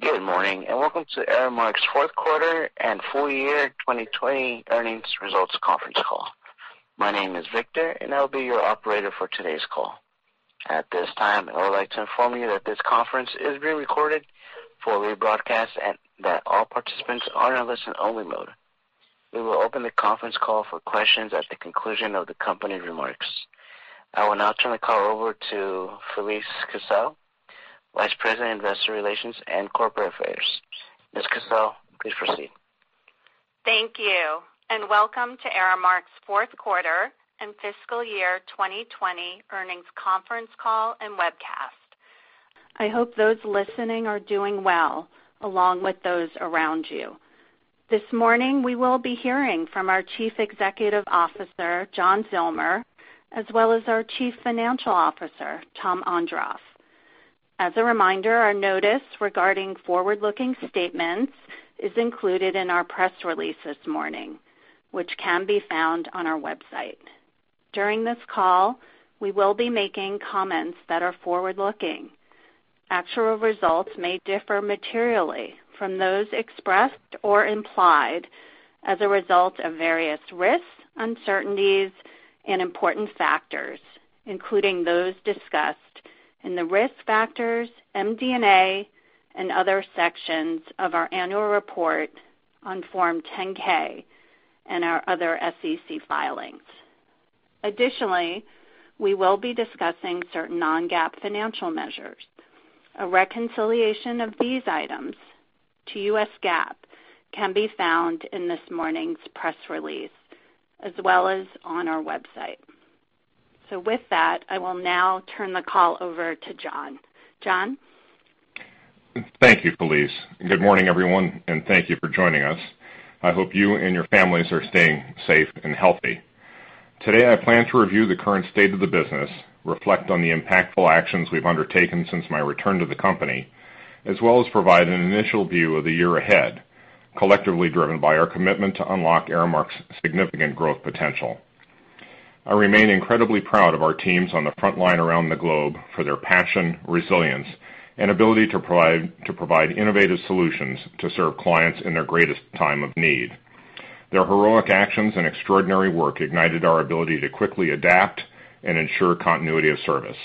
Good morning, and welcome to Aramark's Fourth Quarter and Full Year 2020 Earnings Results Conference Call. My name is Victor, and I'll be your operator for today's call. At this time, I would like to inform you that this conference is being recorded for rebroadcast, and that all participants are in listen only mode. We will open the conference call for questions at the conclusion of the company remarks. I will now turn the call over to Felise Kissell, Vice President, Investor Relations and Corporate Affairs. Ms. Kissel, please proceed. Thank you, and welcome to Aramark's fourth quarter and fiscal year 2020 earnings conference call and webcast. I hope those listening are doing well, along with those around you. This morning, we will be hearing from our Chief Executive Officer, John Zillmer, as well as our Chief Financial Officer, Tom Ondrof. As a reminder, our notice regarding forward-looking statements is included in our press release this morning, which can be found on our website. During this call, we will be making comments that are forward-looking. Actual results may differ materially from those expressed or implied as a result of various risks, uncertainties, and important factors, including those discussed in the risk factors, MD&A, and other sections of our annual report on Form 10-K and our other SEC filings. Additionally, we will be discussing certain non-GAAP financial measures. A reconciliation of these items to U.S. GAAP can be found in this morning's press release as well as on our website. With that, I will now turn the call over to John. John? Thank you, Felise. Good morning, everyone, and thank you for joining us. I hope you and your families are staying safe and healthy. Today, I plan to review the current state of the business, reflect on the impactful actions we've undertaken since my return to the company, as well as provide an initial view of the year ahead, collectively driven by our commitment to unlock Aramark's significant growth potential. I remain incredibly proud of our teams on the frontline around the globe for their passion, resilience, and ability to provide innovative solutions to serve clients in their greatest time of need. Their heroic actions and extraordinary work ignited our ability to quickly adapt and ensure continuity of service.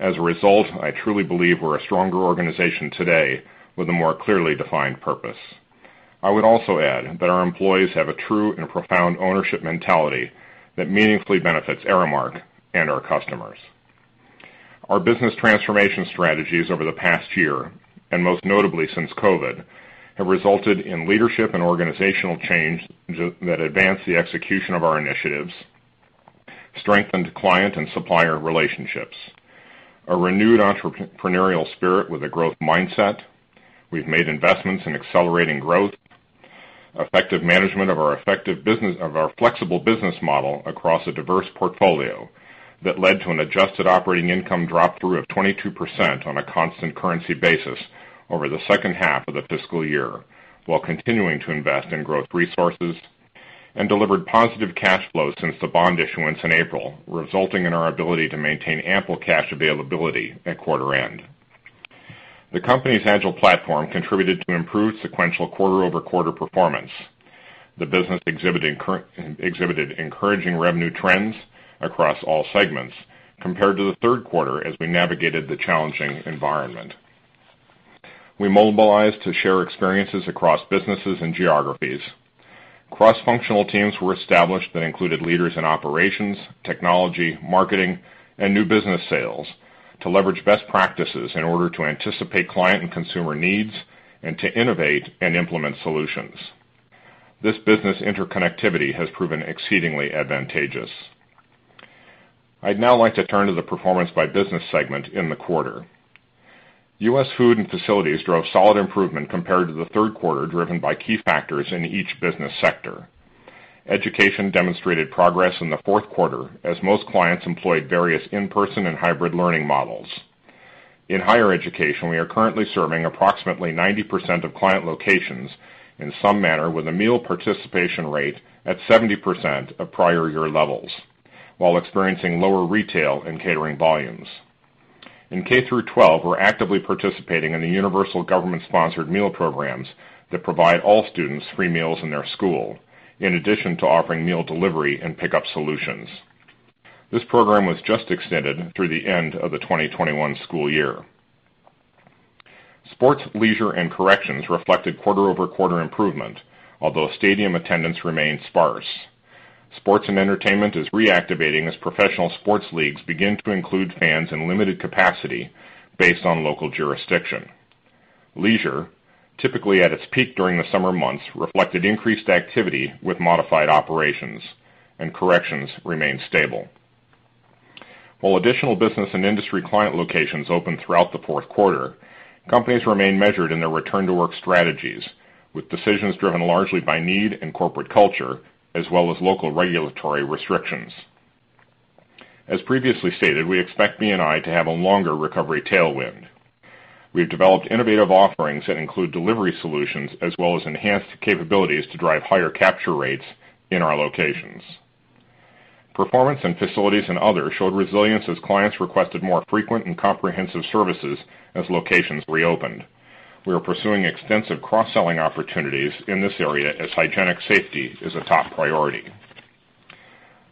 As a result, I truly believe we're a stronger organization today with a more clearly defined purpose. I would also add that our employees have a true and profound ownership mentality that meaningfully benefits Aramark and our customers. Our business transformation strategies over the past year, and most notably since COVID, have resulted in leadership and organizational change that advanced the execution of our initiatives, strengthened client and supplier relationships, a renewed entrepreneurial spirit with a growth mindset. We've made investments in accelerating growth, effective management of our flexible business model across a diverse portfolio that led to an adjusted operating income drop through of 22% on a constant currency basis over the second half of the fiscal year, while continuing to invest in growth resources, and delivered positive cash flow since the bond issuance in April, resulting in our ability to maintain ample cash availability at quarter end. The company's agile platform contributed to improved sequential quarter-over-quarter performance. The business exhibited encouraging revenue trends across all segments compared to the third quarter as we navigated the challenging environment. We mobilized to share experiences across businesses and geographies. Cross-functional teams were established that included leaders in operations, technology, marketing, and new business sales to leverage best practices in order to anticipate client and consumer needs and to innovate and implement solutions. This business interconnectivity has proven exceedingly advantageous. I'd now like to turn to the performance by business segment in the quarter. U.S. food and facilities drove solid improvement compared to the third quarter, driven by key factors in each business sector. Education demonstrated progress in the fourth quarter as most clients employed various in-person and hybrid learning models. In higher education, we are currently serving approximately 90% of client locations in some manner with a meal participation rate at 70% of prior year levels, while experiencing lower retail and catering volumes. In K through 12, we're actively participating in the universal government-sponsored meal programs that provide all students free meals in their school, in addition to offering meal delivery and pickup solutions. This program was just extended through the end of the 2021 school year. Sports, leisure, and corrections reflected quarter-over-quarter improvement, although stadium attendance remained sparse. Sports and entertainment is reactivating as professional sports leagues begin to include fans in limited capacity based on local jurisdiction. Leisure, typically at its peak during the summer months, reflected increased activity with modified operations, and corrections remained stable. While additional business and industry client locations opened throughout the fourth quarter, companies remain measured in their return to work strategies, with decisions driven largely by need and corporate culture as well as local regulatory restrictions. As previously stated, we expect B&I to have a longer recovery tailwind. We have developed innovative offerings that include delivery solutions as well as enhanced capabilities to drive higher capture rates in our locations. Performance in facilities and other showed resilience as clients requested more frequent and comprehensive services as locations reopened. We are pursuing extensive cross-selling opportunities in this area as hygienic safety is a top priority.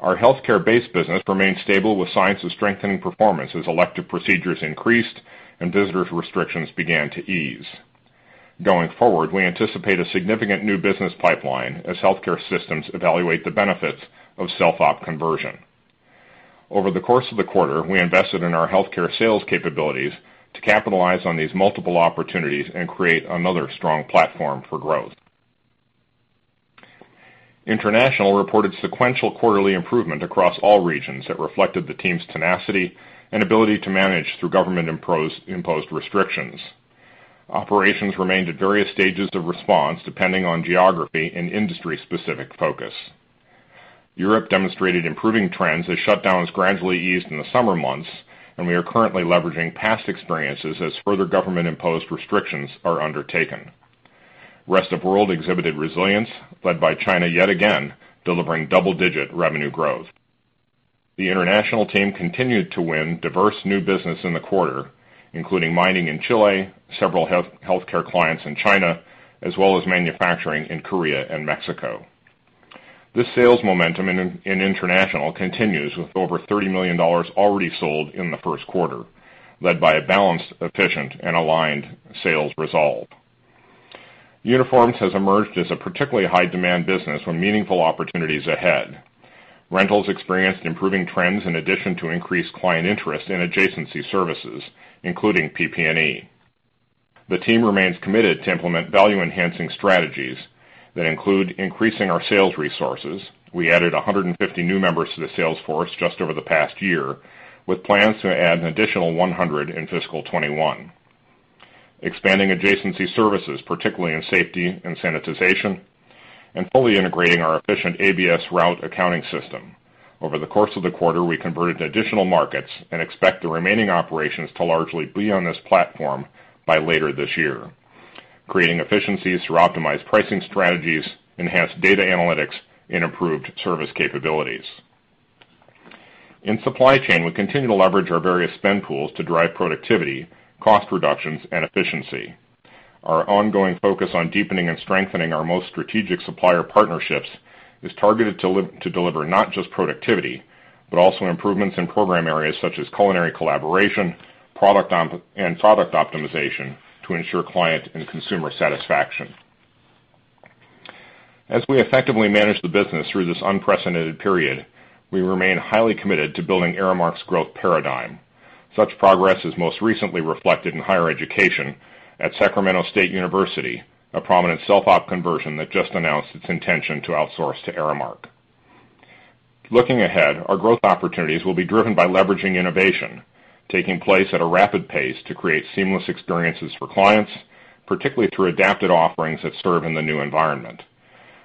Our healthcare base business remains stable with signs of strengthening performance as elective procedures increased and visitors restrictions began to ease. Going forward, we anticipate a significant new business pipeline as healthcare systems evaluate the benefits of self-op conversion. Over the course of the quarter, we invested in our healthcare sales capabilities to capitalize on these multiple opportunities and create another strong platform for growth. International reported sequential quarterly improvement across all regions that reflected the team's tenacity and ability to manage through government-imposed restrictions. Operations remained at various stages of response, depending on geography and industry-specific focus. Europe demonstrated improving trends as shutdowns gradually eased in the summer months, and we are currently leveraging past experiences as further government-imposed restrictions are undertaken. Rest of world exhibited resilience, led by China yet again, delivering double-digit revenue growth. The international team continued to win diverse new business in the quarter, including mining in Chile, several healthcare clients in China, as well as manufacturing in Korea and Mexico. This sales momentum in international continues with over $30 million already sold in the first quarter, led by a balanced, efficient, and aligned sales resolve. Uniforms has emerged as a particularly high-demand business with meaningful opportunities ahead. Rentals experienced improving trends in addition to increased client interest in adjacency services, including PP&E. The team remains committed to implement value-enhancing strategies that include increasing our sales resources. We added 150 new members to the sales force just over the past year, with plans to add an additional 100 in fiscal 2021. Expanding adjacency services, particularly in safety and sanitization, and fully integrating our efficient ABS route accounting system. Over the course of the quarter, we converted additional markets and expect the remaining operations to largely be on this platform by later this year. Creating efficiencies through optimized pricing strategies, enhanced data analytics, and improved service capabilities. In supply chain, we continue to leverage our various spend pools to drive productivity, cost reductions, and efficiency. Our ongoing focus on deepening and strengthening our most strategic supplier partnerships is targeted to deliver not just productivity, but also improvements in program areas such as culinary collaboration and product optimization to ensure client and consumer satisfaction. As we effectively manage the business through this unprecedented period, we remain highly committed to building Aramark's growth paradigm. Such progress is most recently reflected in higher education at Sacramento State University, a prominent self-op conversion that just announced its intention to outsource to Aramark. Looking ahead, our growth opportunities will be driven by leveraging innovation, taking place at a rapid pace to create seamless experiences for clients, particularly through adapted offerings that serve in the new environment.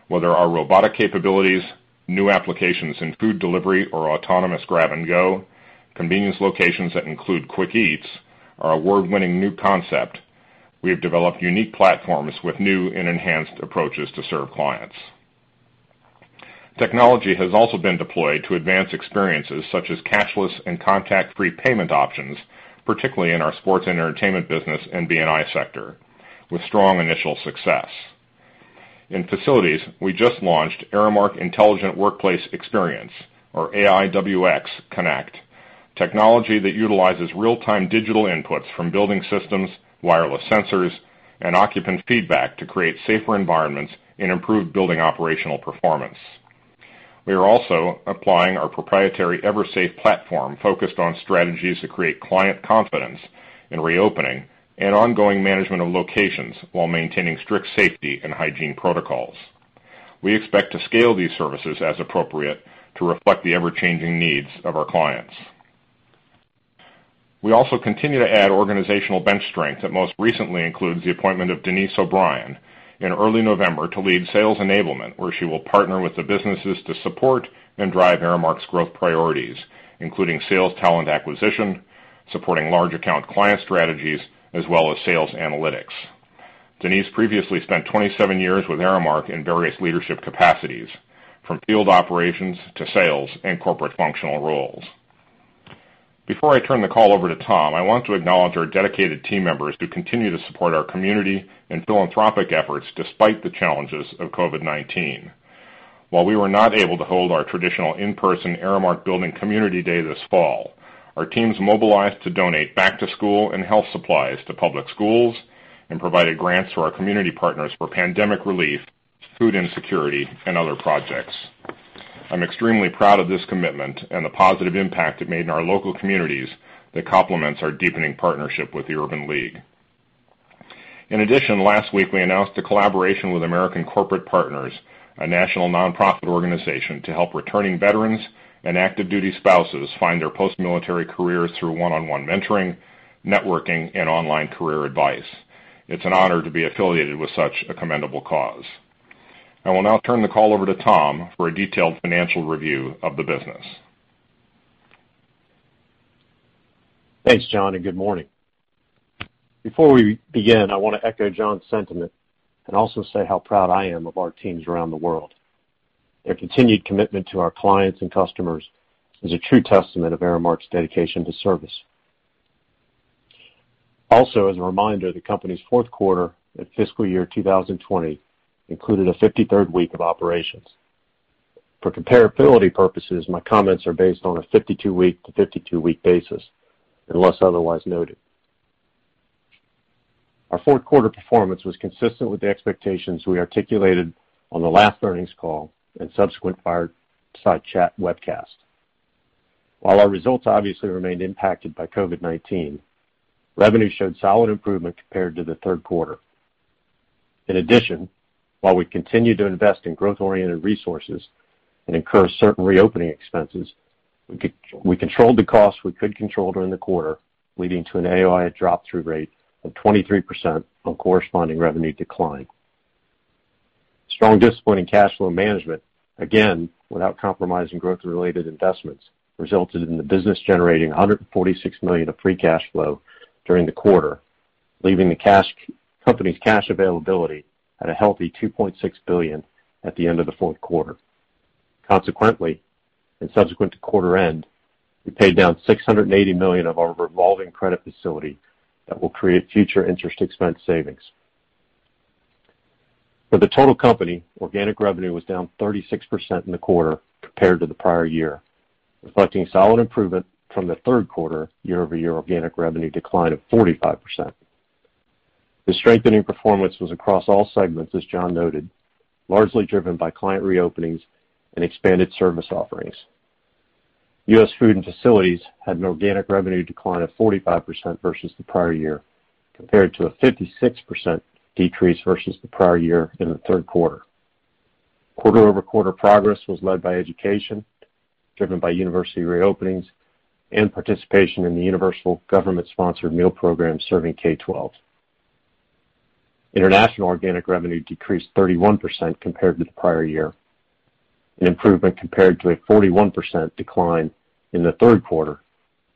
Whether our robotic capabilities, new applications in food delivery or autonomous grab and go, convenience locations that include Quick Eats, our award-winning new concept, we have developed unique platforms with new and enhanced approaches to serve clients. Technology has also been deployed to advance experiences such as cashless and contact-free payment options, particularly in our sports and entertainment business and B&I sector, with strong initial success. In facilities, we just launched Aramark Intelligent Workplace Experience, or AIWX Connect, technology that utilizes real-time digital inputs from building systems, wireless sensors, and occupant feedback to create safer environments and improve building operational performance. We are also applying our proprietary EverSafe platform focused on strategies to create client confidence in reopening and ongoing management of locations while maintaining strict safety and hygiene protocols. We expect to scale these services as appropriate to reflect the ever-changing needs of our clients. We also continue to add organizational bench strength that most recently includes the appointment of Denise O'Brien in early November to lead sales enablement, where she will partner with the businesses to support and drive Aramark's growth priorities, including sales talent acquisition, supporting large account client strategies, as well as sales analytics. Denise previously spent 27 years with Aramark in various leadership capacities, from field operations to sales and corporate functional roles. Before I turn the call over to Tom, I want to acknowledge our dedicated team members who continue to support our community and philanthropic efforts despite the challenges of COVID-19. While we were not able to hold our traditional in-person Aramark Building Community Day this fall, our teams mobilized to donate back-to-school and health supplies to public schools and provided grants to our community partners for pandemic relief, food insecurity, and other projects. I'm extremely proud of this commitment and the positive impact it made in our local communities that complements our deepening partnership with the Urban League. Last week, we announced a collaboration with American Corporate Partners, a national nonprofit organization, to help returning veterans and active duty spouses find their post-military careers through one-on-one mentoring, networking, and online career advice. It's an honor to be affiliated with such a commendable cause. I will now turn the call over to Tom for a detailed financial review of the business. Thanks, John. Good morning. Before we begin, I want to echo John's sentiment and also say how proud I am of our teams around the world. Their continued commitment to our clients and customers is a true testament of Aramark's dedication to service. As a reminder, the company's fourth quarter and FY 2020 included a 53rd week of operations. For comparability purposes, my comments are based on a 52-week to 52-week basis, unless otherwise noted. Our fourth quarter performance was consistent with the expectations we articulated on the last earnings call and subsequent fireside chat webcast. While our results obviously remained impacted by COVID-19, revenue showed solid improvement compared to the third quarter. In addition, while we continue to invest in growth-oriented resources and incur certain reopening expenses, we controlled the costs we could control during the quarter, leading to an AOI drop-through rate of 23% on corresponding revenue decline. Strong discipline in cash flow management, again, without compromising growth-related investments, resulted in the business generating $146 million of free cash flow during the quarter, leaving the company's cash availability at a healthy $2.6 billion at the end of the fourth quarter. Subsequent to quarter end, we paid down $680 million of our revolving credit facility that will create future interest expense savings. For the total company, organic revenue was down 36% in the quarter compared to the prior year, reflecting solid improvement from the third quarter year-over-year organic revenue decline of 45%. The strengthening performance was across all segments, as John noted, largely driven by client reopenings and expanded service offerings. U.S. food and facilities had an organic revenue decline of 45% versus the prior year, compared to a 56% decrease versus the prior year in the third quarter. Quarter-over-quarter progress was led by education, driven by university reopenings and participation in the Universal government-sponsored meal program serving K12. International organic revenue decreased 31% compared to the prior year, an improvement compared to a 41% decline in the third quarter,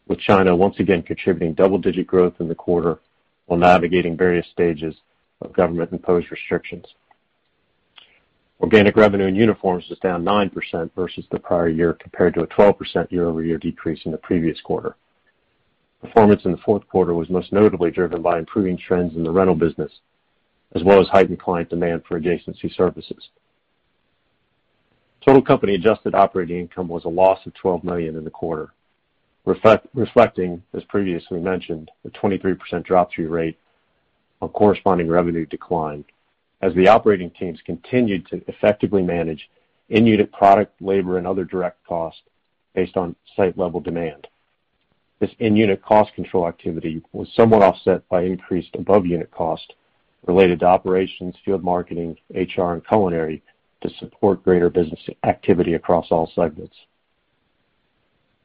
with China once again contributing double-digit growth in the quarter while navigating various stages of government-imposed restrictions. Organic revenue in uniforms was down 9% versus the prior year, compared to a 12% year-over-year decrease in the previous quarter. Performance in the fourth quarter was most notably driven by improving trends in the rental business, as well as heightened client demand for adjacency services. Total company adjusted operating income was a loss of $12 million in the quarter, reflecting, as previously mentioned, the 23% drop-through rate on corresponding revenue decline as the operating teams continued to effectively manage in-unit product, labor, and other direct costs based on site-level demand. This in-unit cost control activity was somewhat offset by increased above-unit cost related to operations, field marketing, HR, and culinary to support greater business activity across all segments.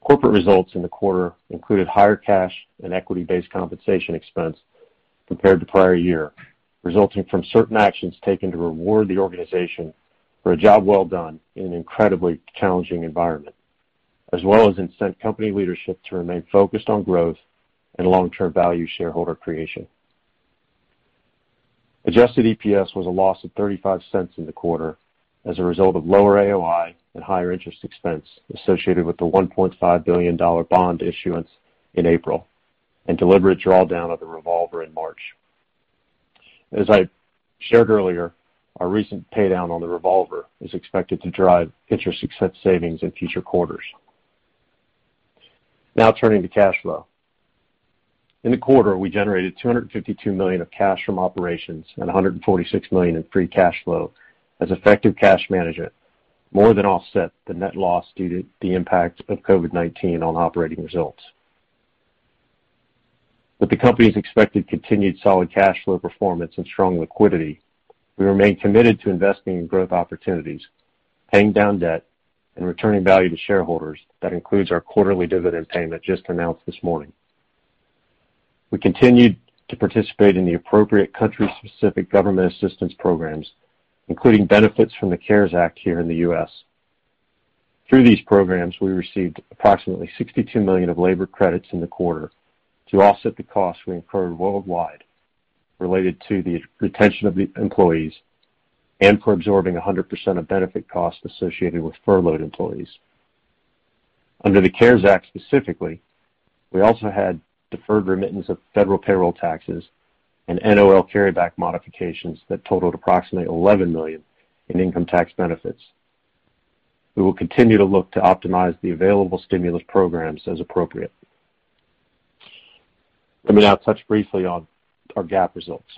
Corporate results in the quarter included higher cash and equity-based compensation expense compared to prior year, resulting from certain actions taken to reward the organization for a job well done in an incredibly challenging environment, as well as incent company leadership to remain focused on growth and long-term value shareholder creation. Adjusted EPS was a loss of $0.35 in the quarter as a result of lower AOI and higher interest expense associated with the $1.5 billion bond issuance in April and deliberate drawdown of the revolver in March. As I shared earlier, our recent paydown on the revolver is expected to drive interest expense savings in future quarters. Turning to cash flow. In the quarter, we generated $252 million of cash from operations and $146 million in free cash flow as effective cash management more than offset the net loss due to the impact of COVID-19 on operating results. With the company's expected continued solid cash flow performance and strong liquidity, we remain committed to investing in growth opportunities, paying down debt, and returning value to shareholders. That includes our quarterly dividend payment just announced this morning. We continued to participate in the appropriate country-specific government assistance programs, including benefits from the CARES Act here in the U.S. Through these programs, we received approximately $62 million of labor credits in the quarter to offset the costs we incurred worldwide related to the retention of the employees and for absorbing 100% of benefit costs associated with furloughed employees. Under the CARES Act specifically, we also had deferred remittance of federal payroll taxes and NOL carryback modifications that totaled approximately $11 million in income tax benefits. We will continue to look to optimize the available stimulus programs as appropriate. Let me now touch briefly on our GAAP results.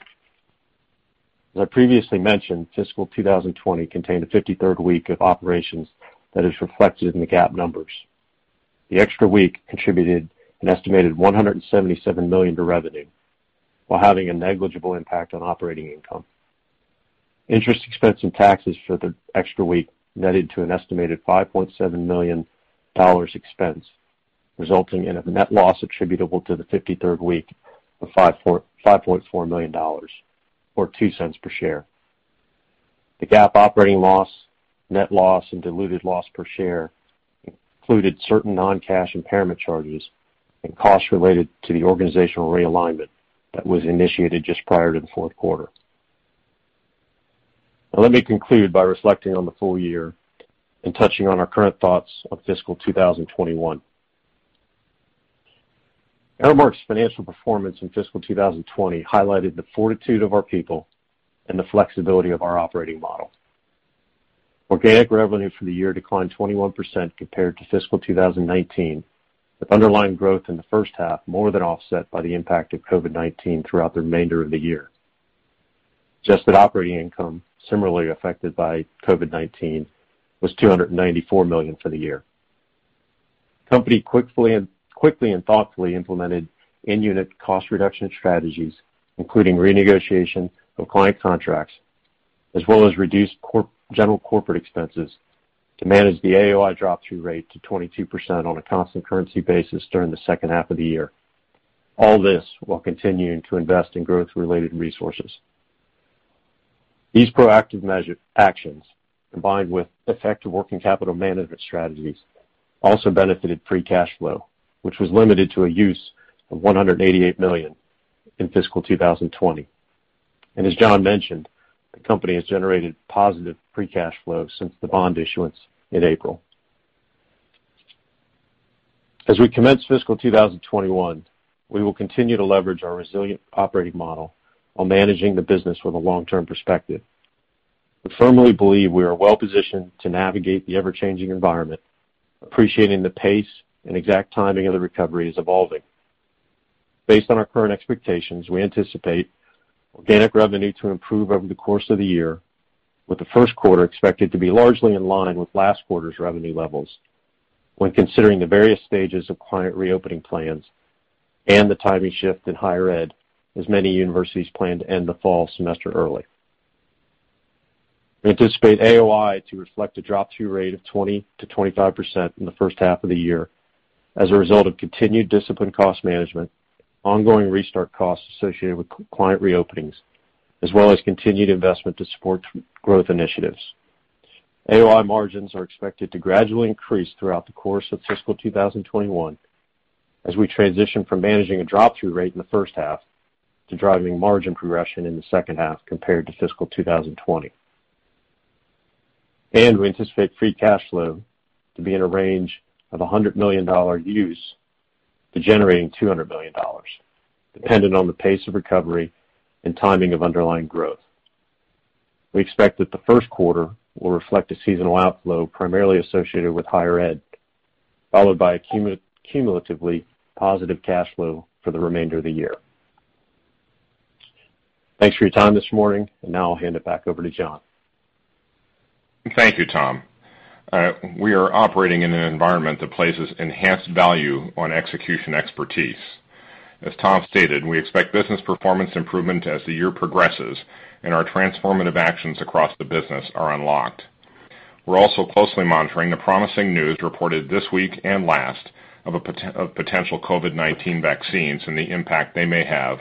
As I previously mentioned, fiscal 2020 contained a 53rd week of operations that is reflected in the GAAP numbers. The extra week contributed an estimated $177 million to revenue while having a negligible impact on operating income. Interest expense and taxes for the extra week netted to an estimated $5.7 million expense, resulting in a net loss attributable to the 53rd week of $5.4 million, or $0.02 per share. The GAAP operating loss, net loss and diluted loss per share included certain non-cash impairment charges and costs related to the organizational realignment that was initiated just prior to the fourth quarter. Now let me conclude by reflecting on the full year and touching on our current thoughts of fiscal 2021. Aramark's financial performance in fiscal 2020 highlighted the fortitude of our people and the flexibility of our operating model. Organic revenue for the year declined 21% compared to fiscal 2019, with underlying growth in the first half more than offset by the impact of COVID-19 throughout the remainder of the year. Adjusted operating income, similarly affected by COVID-19, was $294 million for the year. The company quickly and thoughtfully implemented in-unit cost reduction strategies, including renegotiation of client contracts, as well as reduced general corporate expenses to manage the AOI drop-through rate to 22% on a constant currency basis during the second half of the year. All this while continuing to invest in growth-related resources. These proactive actions, combined with effective working capital management strategies, also benefited free cash flow, which was limited to a use of $188 million in fiscal 2020. As John mentioned, the company has generated positive free cash flow since the bond issuance in April. As we commence fiscal 2021, we will continue to leverage our resilient operating model while managing the business with a long-term perspective. We firmly believe we are well-positioned to navigate the ever-changing environment, appreciating the pace and exact timing of the recovery is evolving. Based on our current expectations, we anticipate organic revenue to improve over the course of the year, with the first quarter expected to be largely in line with last quarter's revenue levels when considering the various stages of client reopening plans and the timing shift in higher ED, as many universities plan to end the fall semester early. We anticipate AOI to reflect a drop-through rate of 20%-25% in the first half of the year as a result of continued disciplined cost management, ongoing restart costs associated with client reopenings, as well as continued investment to support growth initiatives. AOI margins are expected to gradually increase throughout the course of fiscal 2021 as we transition from managing a drop-through rate in the first half to driving margin progression in the second half compared to fiscal 2020. We anticipate free cash flow to be in a range of $100 million up to generating $200 million, dependent on the pace of recovery and timing of underlying growth. We expect that the first quarter will reflect a seasonal outflow primarily associated with higher ED, followed by a cumulatively positive cash flow for the remainder of the year. Thanks for your time this morning, and now I'll hand it back over to John. Thank you, Tom. We are operating in an environment that places enhanced value on execution expertise. As Tom stated, we expect business performance improvement as the year progresses and our transformative actions across the business are unlocked. We're also closely monitoring the promising news reported this week and last of potential COVID-19 vaccines and the impact they may have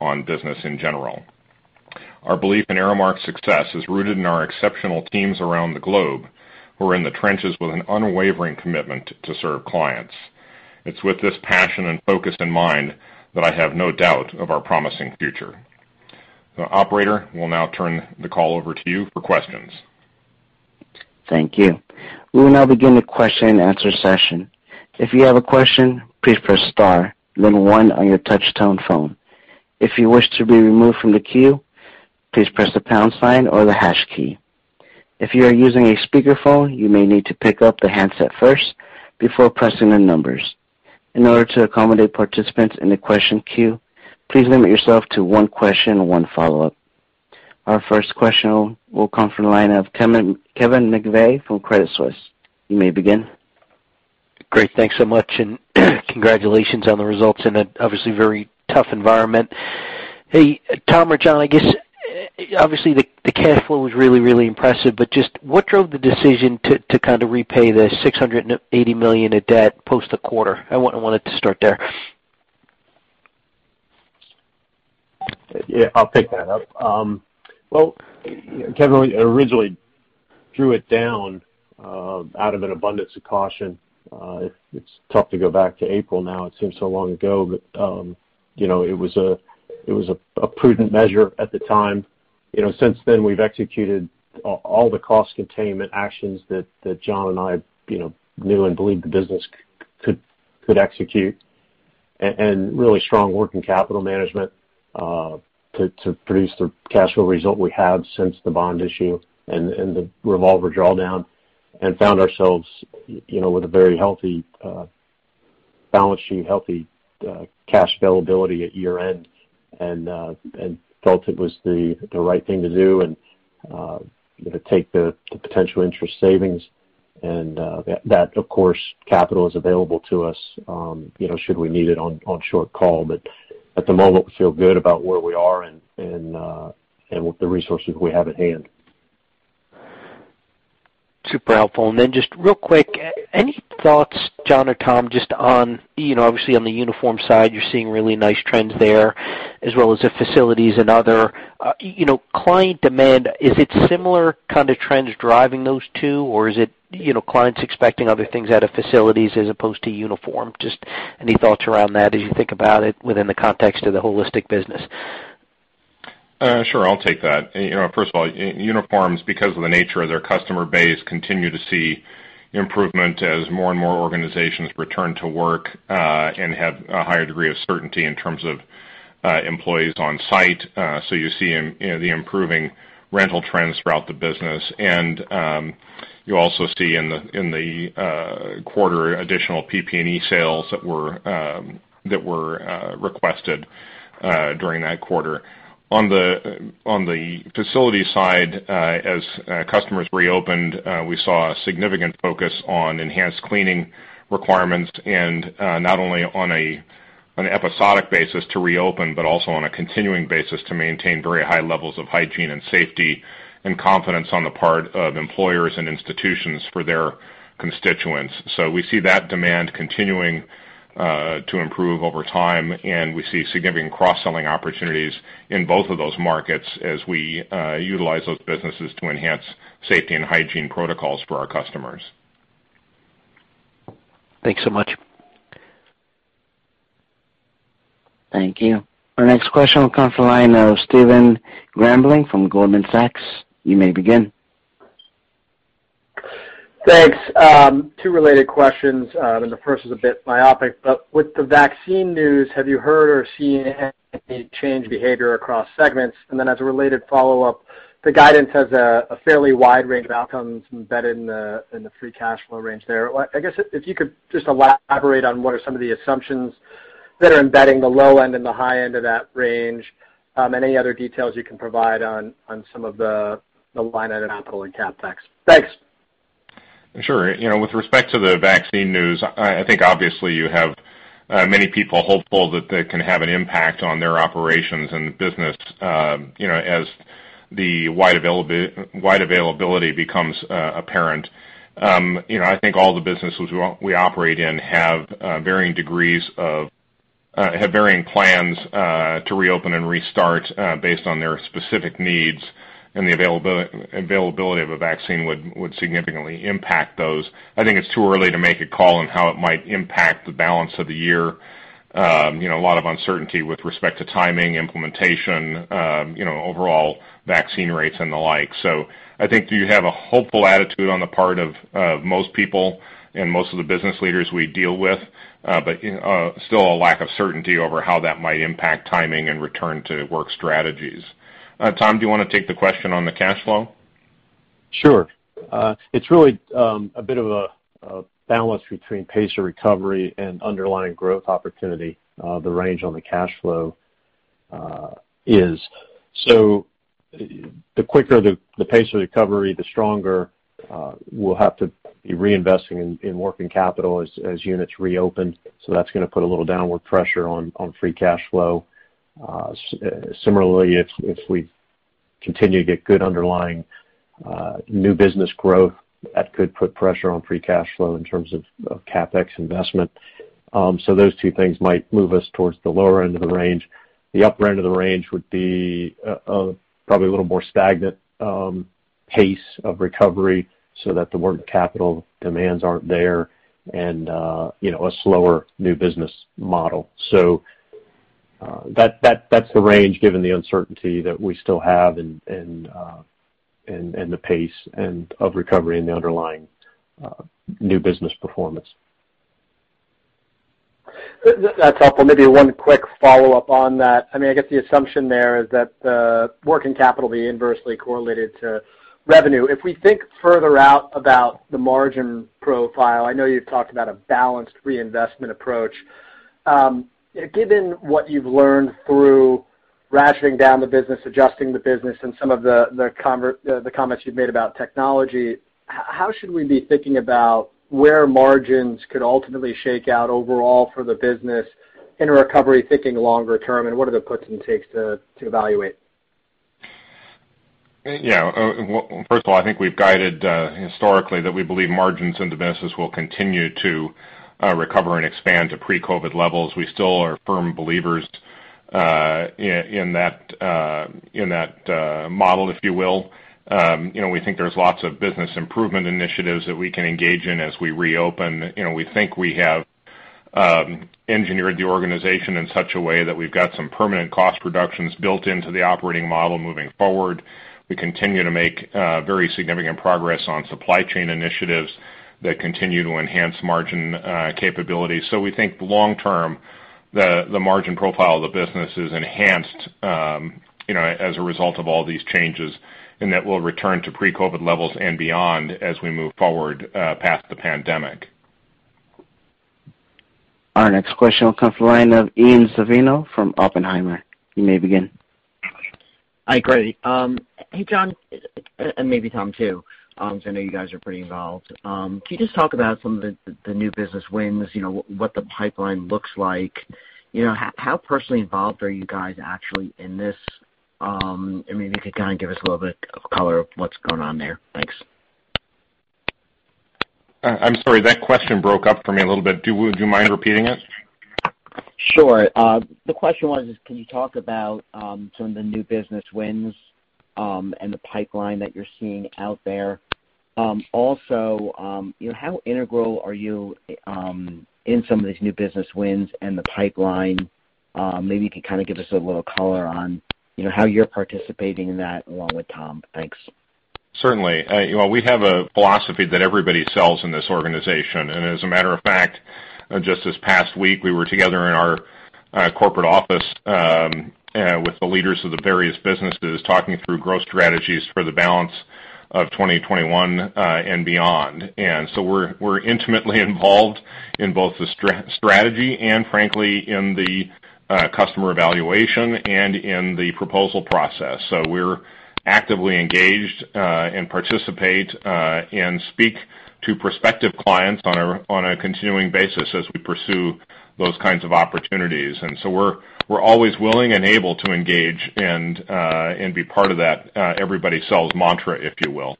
on business in general. Our belief in Aramark's success is rooted in our exceptional teams around the globe who are in the trenches with an unwavering commitment to serve clients. It's with this passion and focus in mind that I have no doubt of our promising future. Operator, we'll now turn the call over to you for questions. Thank you. We will now begin the question and answer session. If you have a question, please press star then one on your touch tone phone. If you wish to be removed from the queue, please press the pound sign or the hash key. If you are using a speakerphone, you may need to pick up the handset first before pressing the numbers. In order to accommodate participants in the question queue, please limit yourself to one question and one follow-up. Our first question will come from the line of Kevin McVeigh from Credit Suisse. You may begin. Great. Thanks so much, and congratulations on the results in a obviously very tough environment. Hey, Tom or John, I guess, obviously the cash flow was really impressive, but just what drove the decision to kind of repay the $680 million of debt post the quarter? I wanted to start there. Yeah, I'll pick that up. Well, Kevin, we originally drew it down out of an abundance of caution. It's tough to go back to April now. It seems so long ago. It was a prudent measure at the time. Since then, we've executed all the cost containment actions that John and I knew and believed the business could execute, and really strong working capital management to produce the cash flow result we have since the bond issue and the revolver drawdown and found ourselves with a very healthy balance sheet, healthy cash availability at year-end and felt it was the right thing to do and to take the potential interest savings. That, of course, capital is available to us should we need it on short call. At the moment, we feel good about where we are and the resources we have at hand. Super helpful. Just real quick, any thoughts, John or Tom, just on, obviously on the uniform side, you're seeing really nice trends there as well as the facilities and other. Client demand, is it similar kind of trends driving those two, or is it clients expecting other things out of facilities as opposed to uniform? Just any thoughts around that as you think about it within the context of the holistic business? Sure. I'll take that. First of all, uniforms, because of the nature of their customer base, continue to see improvement as more and more organizations return to work, and have a higher degree of certainty in terms of employees on site. You see the improving rental trends throughout the business. You also see in the quarter additional PP&E sales that were requested during that quarter. On the facility side, as customers reopened, we saw a significant focus on enhanced cleaning requirements and, not only on an episodic basis to reopen, but also on a continuing basis to maintain very high levels of hygiene and safety and confidence on the part of employers and institutions for their constituents. We see that demand continuing to improve over time, and we see significant cross-selling opportunities in both of those markets as we utilize those businesses to enhance safety and hygiene protocols for our customers. Thanks so much. Thank you. Our next question will come from the line of Stephen Grambling from Goldman Sachs. You may begin. Thanks. Two related questions. The first is a bit myopic, but with the vaccine news, have you heard or seen any change in behavior across segments? As a related follow-up, the guidance has a fairly wide range of outcomes embedded in the free cash flow range there. I guess if you could just elaborate on what are some of the assumptions that are embedding the low end and the high end of that range, and any other details you can provide on some of the line item capital and CapEx? Thanks. Sure. With respect to the vaccine news, I think obviously you have many people hopeful that they can have an impact on their operations and business, as the wide availability becomes apparent. I think all the businesses we operate in have varying plans to reopen and restart, based on their specific needs, and the availability of a vaccine would significantly impact those. I think it's too early to make a call on how it might impact the balance of the year. A lot of uncertainty with respect to timing, implementation, overall vaccine rates and the like. I think you have a hopeful attitude on the part of most people and most of the business leaders we deal with. Still a lack of certainty over how that might impact timing and return to work strategies. Tom, do you want to take the question on the cash flow? It's really, a bit of a balance between pace of recovery and underlying growth opportunity, the range on the cash flow is. The quicker the pace of recovery, the stronger we'll have to be reinvesting in working capital as units reopen. That's gonna put a little downward pressure on free cash flow. Similarly, if we continue to get good underlying, new business growth, that could put pressure on free cash flow in terms of CapEx investment. Those two things might move us towards the lower end of the range. The upper end of the range would be probably a little more stagnant pace of recovery so that the working capital demands aren't there and a slower new business model. That's the range given the uncertainty that we still have and the pace of recovery and the underlying new business performance. That's helpful. Maybe one quick follow-up on that. I guess the assumption there is that the working capital will be inversely correlated to revenue. If we think further out about the margin profile, I know you've talked about a balanced reinvestment approach. Given what you've learned through rationing down the business, adjusting the business, and some of the comments you've made about technology, how should we be thinking about where margins could ultimately shake out overall for the business in a recovery, thinking longer term, and what are the puts and takes to evaluate? First of all, I think we've guided, historically, that we believe margins in the business will continue to recover and expand to pre-COVID levels. We still are firm believers in that model, if you will. We think there's lots of business improvement initiatives that we can engage in as we reopen. We think we have engineered the organization in such a way that we've got some permanent cost reductions built into the operating model moving forward. We continue to make very significant progress on supply chain initiatives that continue to enhance margin capability. We think long term, the margin profile of the business is enhanced as a result of all these changes, and that will return to pre-COVID levels and beyond as we move forward past the pandemic. Our next question will come from the line of Ian Zaffino from Oppenheimer. You may begin. Hi, great. Hey, John, and maybe Tom too, because I know you guys are pretty involved. Can you just talk about some of the new business wins? What the pipeline looks like? How personally involved are you guys actually in this? Maybe you could kind of give us a little bit of color of what's going on there. Thanks. I'm sorry, that question broke up for me a little bit. Do you mind repeating it? Sure. The question was, can you talk about some of the new business wins, and the pipeline that you're seeing out there? Also, how integral are you in some of these new business wins and the pipeline? Maybe you could kind of give us a little color on how you're participating in that along with Tom. Thanks. Certainly. We have a philosophy that everybody sells in this organization. As a matter of fact, just this past week, we were together in our corporate office with the leaders of the various businesses, talking through growth strategies for the balance of 2021 and beyond. We're intimately involved in both the strategy and frankly, in the customer evaluation and in the proposal process. We're actively engaged and participate and speak to prospective clients on a continuing basis as we pursue those kinds of opportunities. We're always willing and able to engage and be part of that everybody sells mantra, if you will.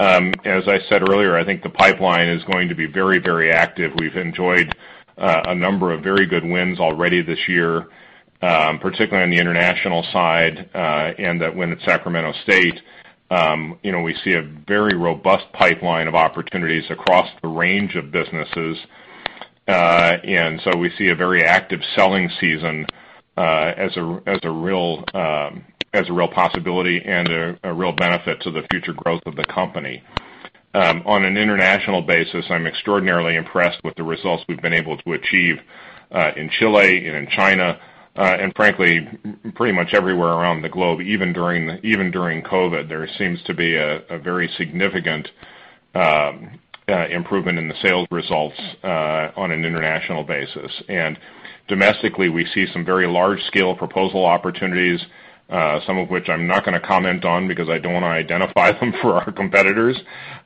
As I said earlier, I think the pipeline is going to be very active. We've enjoyed a number of very good wins already this year, particularly on the international side, and that win at Sacramento State. We see a very robust pipeline of opportunities across the range of businesses. We see a very active selling season as a real possibility and a real benefit to the future growth of the company. On an international basis, I'm extraordinarily impressed with the results we've been able to achieve in Chile and in China, and frankly, pretty much everywhere around the globe, even during COVID. There seems to be a very significant improvement in the sales results on an international basis. Domestically, we see some very large-scale proposal opportunities, some of which I'm not going to comment on because I don't want to identify them for our competitors.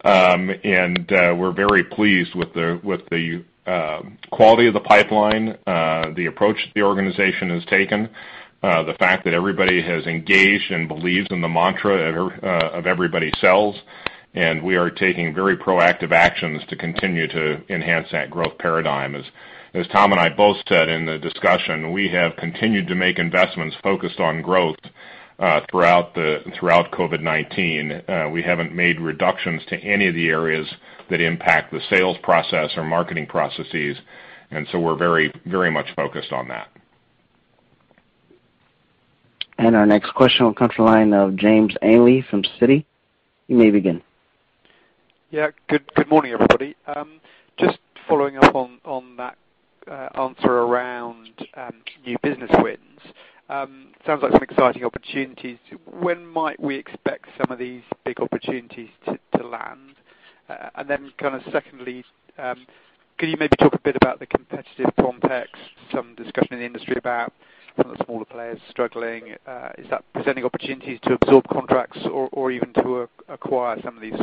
We're very pleased with the quality of the pipeline, the approach the organization has taken, the fact that everybody has engaged and believes in the mantra of everybody sells, and we are taking very proactive actions to continue to enhance that growth paradigm. As Tom and I both said in the discussion, we have continued to make investments focused on growth throughout COVID-19. We haven't made reductions to any of the areas that impact the sales process or marketing processes, we're very much focused on that. Our next question will come from the line of James Ainley from Citi. You may begin. Yeah. Good morning, everybody. Just following up on that answer around new business wins. Sounds like some exciting opportunities. When might we expect some of these big opportunities to land? Kind of secondly, could you maybe talk a bit about the competitive complex, some discussion in the industry about some of the smaller players struggling? Is that presenting opportunities to absorb contracts or even to acquire some of these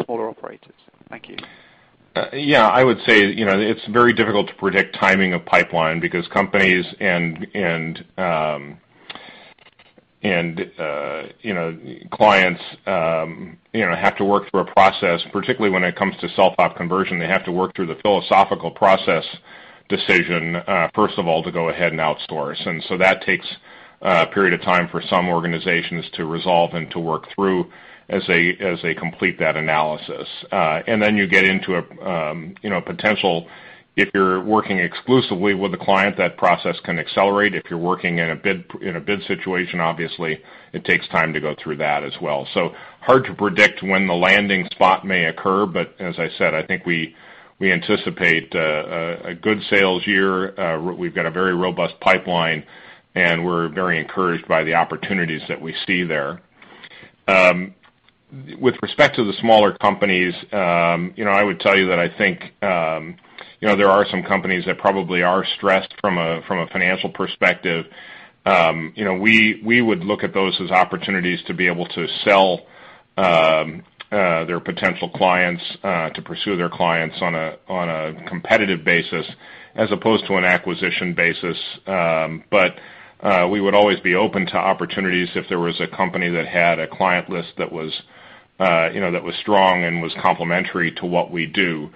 smaller operators? Thank you. I would say it's very difficult to predict timing of pipeline because companies and clients have to work through a process, particularly when it comes to self-op conversion. They have to work through the philosophical process decision, first of all, to go ahead and outsource. That takes a period of time for some organizations to resolve and to work through as they complete that analysis. You get into a potential, if you're working exclusively with a client, that process can accelerate. If you're working in a bid situation, obviously, it takes time to go through that as well. Hard to predict when the landing spot may occur, as I said, I think we anticipate a good sales year. We've got a very robust pipeline, we're very encouraged by the opportunities that we see there. With respect to the smaller companies, I would tell you that I think there are some companies that probably are stressed from a financial perspective. We would look at those as opportunities to be able to sell their potential clients, to pursue their clients on a competitive basis as opposed to an acquisition basis. We would always be open to opportunities if there was a company that had a client list that was strong and was complementary to what we do.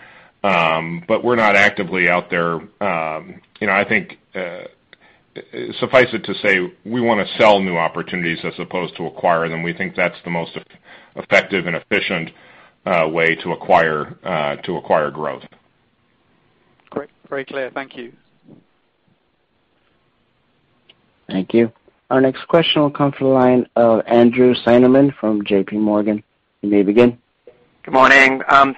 We're not actively out there. Suffice it to say, we want to sell new opportunities as opposed to acquire them. We think that's the most effective and efficient way to acquire growth. Great. Very clear. Thank you. Thank you. Our next question will come from the line of Andrew Steinerman from JPMorgan. You may begin. Good morning. I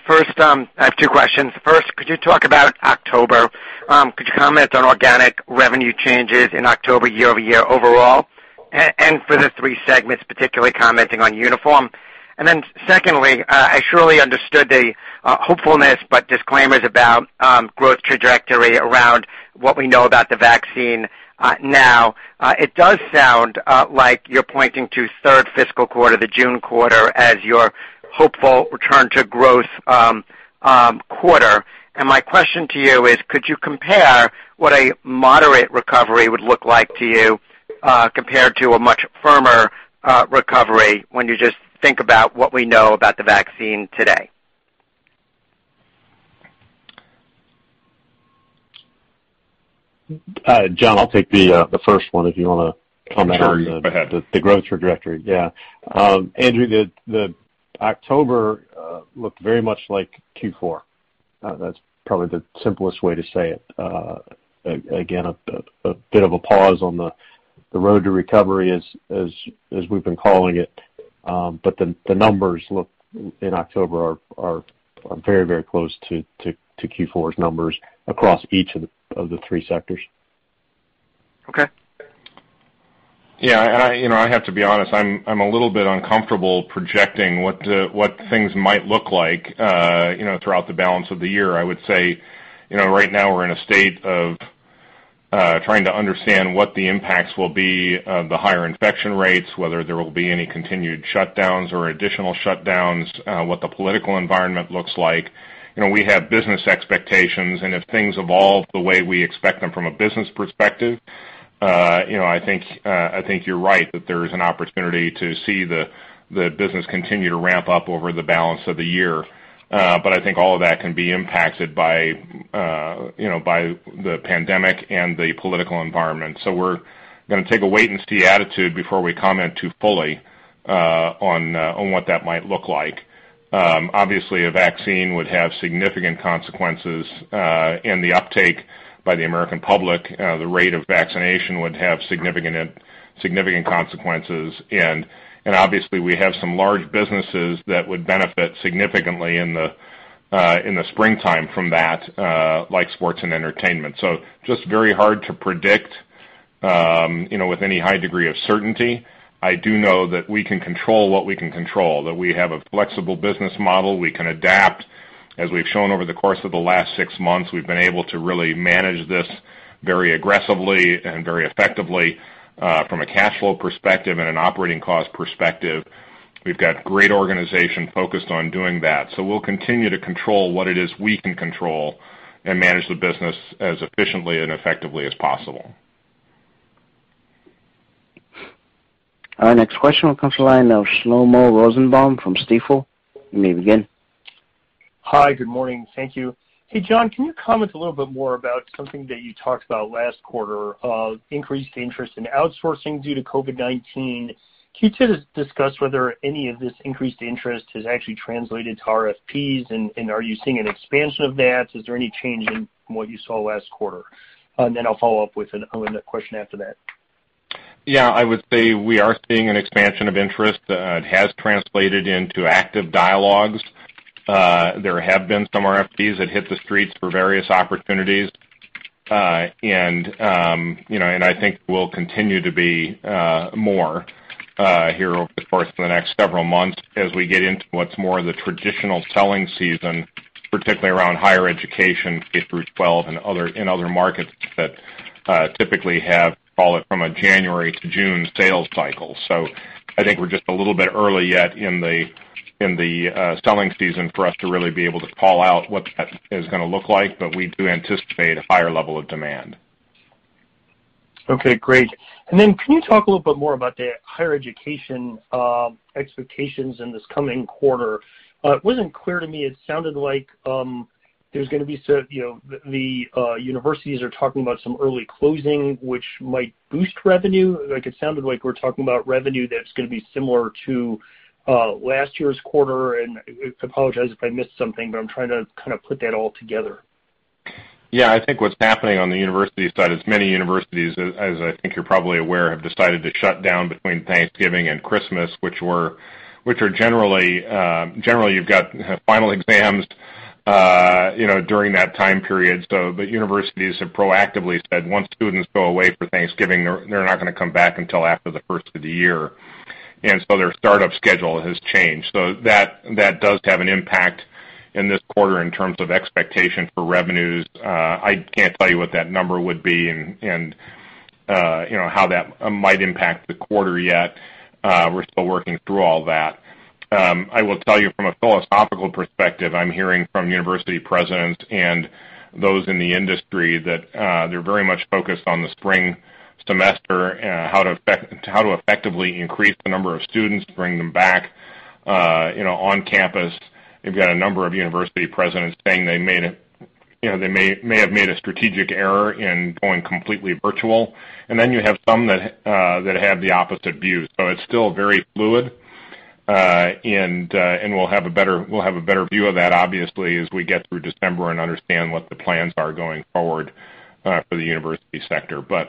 have two questions. First, could you talk about October? Could you comment on organic revenue changes in October year-over-year overall, and for the three segments, particularly commenting on uniform? Secondly, I surely understood the hopefulness but disclaimers about growth trajectory around what we know about the vaccine now. It does sound like you're pointing to third fiscal quarter, the June quarter, as your hopeful return to growth quarter. My question to you is, could you compare what a moderate recovery would look like to you compared to a much firmer recovery when you just think about what we know about the vaccine today? John, I'll take the first one if you want to comment on. Sure. Go ahead. The growth trajectory. Yeah. Andrew, the October looked very much like Q4. That's probably the simplest way to say it. A bit of a pause on the road to recovery as we've been calling it. The numbers in October are very close to Q4's numbers across each of the three sectors. Okay. Yeah. I have to be honest, I'm a little bit uncomfortable projecting what things might look like throughout the balance of the year. I would say, right now we're in a state of trying to understand what the impacts will be of the higher infection rates, whether there will be any continued shutdowns or additional shutdowns, what the political environment looks like. We have business expectations, if things evolve the way we expect them from a business perspective, I think you're right that there is an opportunity to see the business continue to ramp up over the balance of the year. I think all of that can be impacted by the pandemic and the political environment. We're going to take a wait and see attitude before we comment too fully on what that might look like. Obviously, a vaccine would have significant consequences in the uptake by the American public. The rate of vaccination would have significant consequences. Obviously, we have some large businesses that would benefit significantly in the springtime from that, like sports and entertainment. Just very hard to predict with any high degree of certainty. I do know that we can control what we can control, that we have a flexible business model, we can adapt. As we've shown over the course of the last six months, we've been able to really manage this very aggressively and very effectively from a cash flow perspective and an operating cost perspective. We've got great organization focused on doing that. We'll continue to control what it is we can control and manage the business as efficiently and effectively as possible. Our next question will come from the line of Shlomo Rosenbaum from Stifel. You may begin. Hi, good morning. Thank you. Hey, John, can you comment a little bit more about something that you talked about last quarter of increased interest in outsourcing due to COVID-19? Can you just discuss whether any of this increased interest has actually translated to RFP, and are you seeing an expansion of that? Is there any change in what you saw last quarter? I'll follow up with a question after that. Yeah, I would say we are seeing an expansion of interest. It has translated into active dialogues. There have been some RFPs that hit the streets for various opportunities. I think we'll continue to be more here over the course of the next several months as we get into what's more the traditional selling season, particularly around higher education, K-12 and in other markets that typically have, call it, from a January to June sales cycle. I think we're just a little bit early yet in the selling season for us to really be able to call out what that is going to look like, but we do anticipate a higher level of demand. Okay, great. Can you talk a little bit more about the higher education expectations in this coming quarter? It wasn't clear to me. It sounded like there's going to be some the universities are talking about some early closing, which might boost revenue. It sounded like we're talking about revenue that's going to be similar to last year's quarter. I apologize if I missed something, but I'm trying to kind of put that all together. Yeah, I think what's happening on the university side is many universities, as I think you're probably aware, have decided to shut down between Thanksgiving and Christmas, which are generally, you've got final exams during that time period. The universities have proactively said once students go away for Thanksgiving, they're not going to come back until after the first of the year. Their startup schedule has changed. That does have an impact in this quarter in terms of expectation for revenues. I can't tell you what that number would be and how that might impact the quarter yet. We're still working through all that. I will tell you from a philosophical perspective, I'm hearing from university presidents and those in the industry that they're very much focused on the spring semester and how to effectively increase the number of students, bring them back on campus. We've got a number of university presidents saying they may have made a strategic error in going completely virtual. You have some that have the opposite view. It's still very fluid. We'll have a better view of that obviously as we get through December and understand what the plans are going forward for the university sector. This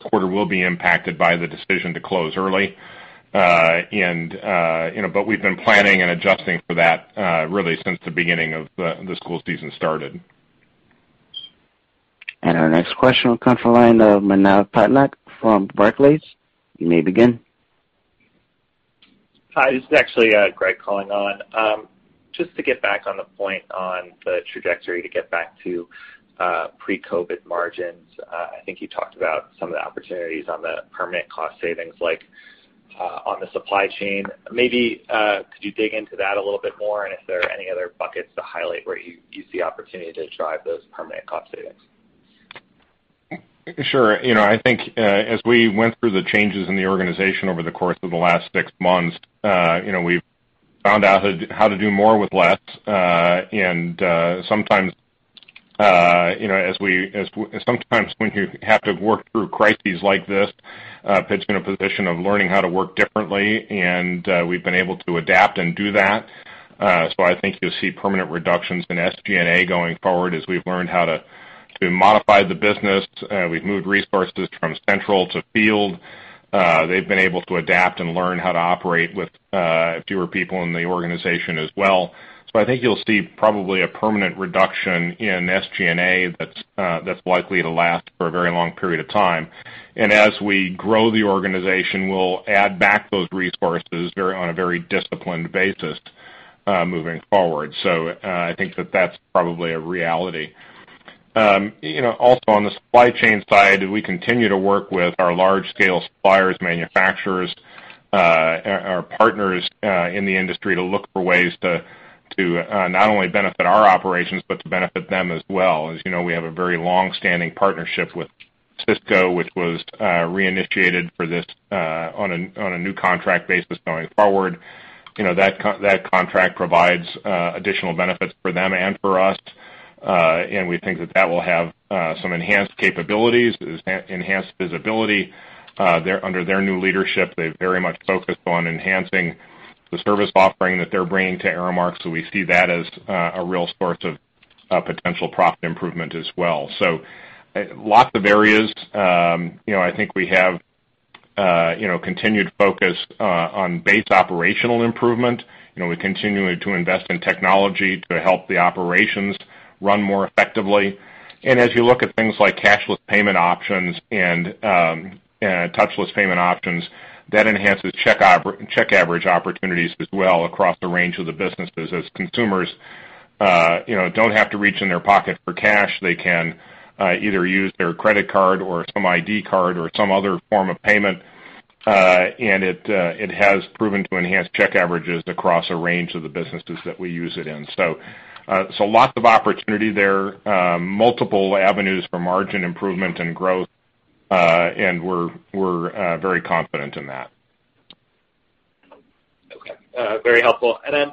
quarter will be impacted by the decision to close early. We've been planning and adjusting for that really since the beginning of the school season started. Our next question will come from the line of Manav Patnaik from Barclays. You may begin. Hi, this is actually Greg calling on. Just to get back on the point on the trajectory to get back to pre-COVID margins. I think you talked about some of the opportunities on the permanent cost savings, like on the supply chain. Maybe could you dig into that a little bit more? If there are any other buckets to highlight where you see opportunity to drive those permanent cost savings? Sure. I think as we went through the changes in the organization over the course of the last six months, we've found out how to do more with less. Sometimes when you have to work through crises like this, it puts you in a position of learning how to work differently, and we've been able to adapt and do that. I think you'll see permanent reductions in SG&A going forward as we've learned how to modify the business. We've moved resources from central to field. They've been able to adapt and learn how to operate with fewer people in the organization as well. I think you'll see probably a permanent reduction in SG&A that's likely to last for a very long period of time. As we grow the organization, we'll add back those resources on a very disciplined basis moving forward. I think that that's probably a reality. Also on the supply chain side, we continue to work with our large-scale suppliers, manufacturers, our partners in the industry to look for ways to not only benefit our operations but to benefit them as well. As you know, we have a very long-standing partnership with Sysco, which was re-initiated for this on a new contract basis going forward. That contract provides additional benefits for them and for us, and we think that that will have some enhanced capabilities, enhanced visibility. Under their new leadership, they've very much focused on enhancing the service offering that they're bringing to Aramark. We see that as a real source of potential profit improvement as well. Lots of areas. I think we have continued focus on base operational improvement. We continue to invest in technology to help the operations run more effectively. As you look at things like cashless payment options and touchless payment options, that enhances check average opportunities as well across the range of the businesses. As consumers don't have to reach in their pocket for cash, they can either use their credit card or some ID card or some other form of payment. It has proven to enhance check averages across a range of the businesses that we use it in. Lots of opportunity there, multiple avenues for margin improvement and growth, and we're very confident in that. Okay. Very helpful. Then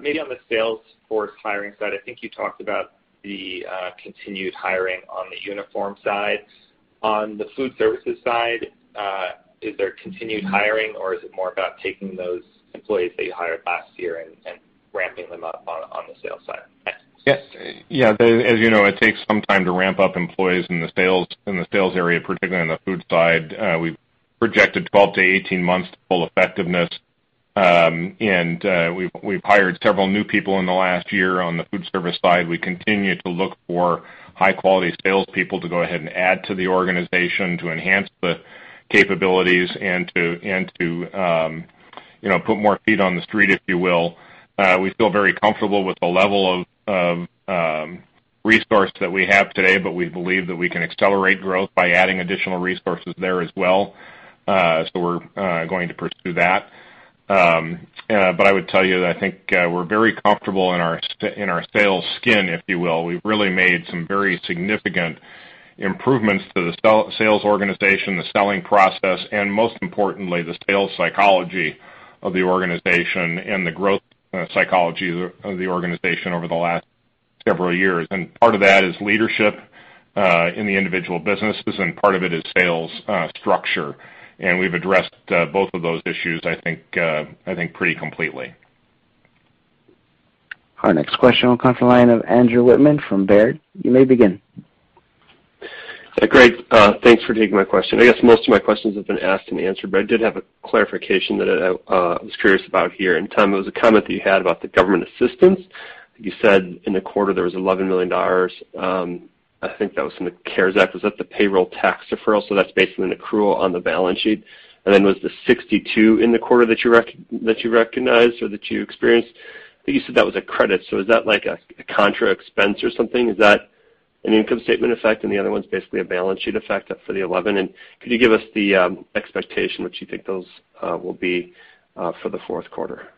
maybe on the sales force hiring side, I think you talked about the continued hiring on the uniform side. On the food services side, is there continued hiring, or is it more about taking those employees that you hired last year and ramping them up on the sales side? Thanks. Yes. As you know, it takes some time to ramp up employees in the sales area, particularly on the food side. We've projected 12-18 months to full effectiveness, and we've hired several new people in the last year on the food service side. We continue to look for high-quality salespeople to go ahead and add to the organization to enhance the capabilities and to put more feet on the street, if you will. We feel very comfortable with the level of resource that we have today, but we believe that we can accelerate growth by adding additional resources there as well. We're going to pursue that. I would tell you that I think we're very comfortable in our sales skin, if you will. We've really made some very significant improvements to the sales organization, the selling process, and most importantly, the sales psychology of the organization and the growth psychology of the organization over the last several years. Part of that is leadership in the individual businesses, and part of it is sales structure. We've addressed both of those issues, I think, pretty completely. Our next question will come from the line of Andrew Wittmann from Baird. You may begin. Great. Thanks for taking my question. I guess most of my questions have been asked and answered, but I did have a clarification that I was curious about here. Tom, it was a comment that you had about the government assistance. You said in the quarter there was $11 million. I think that was from the CARES Act. Was that the payroll tax deferral? That's basically an accrual on the balance sheet. Then was the $62 in the quarter that you recognized or that you experienced? I think you said that was a credit. Is that like a contra expense or something? Is that an income statement effect and the other one's basically a balance sheet effect for the $11? Could you give us the expectation what you think those will be for the fourth quarter?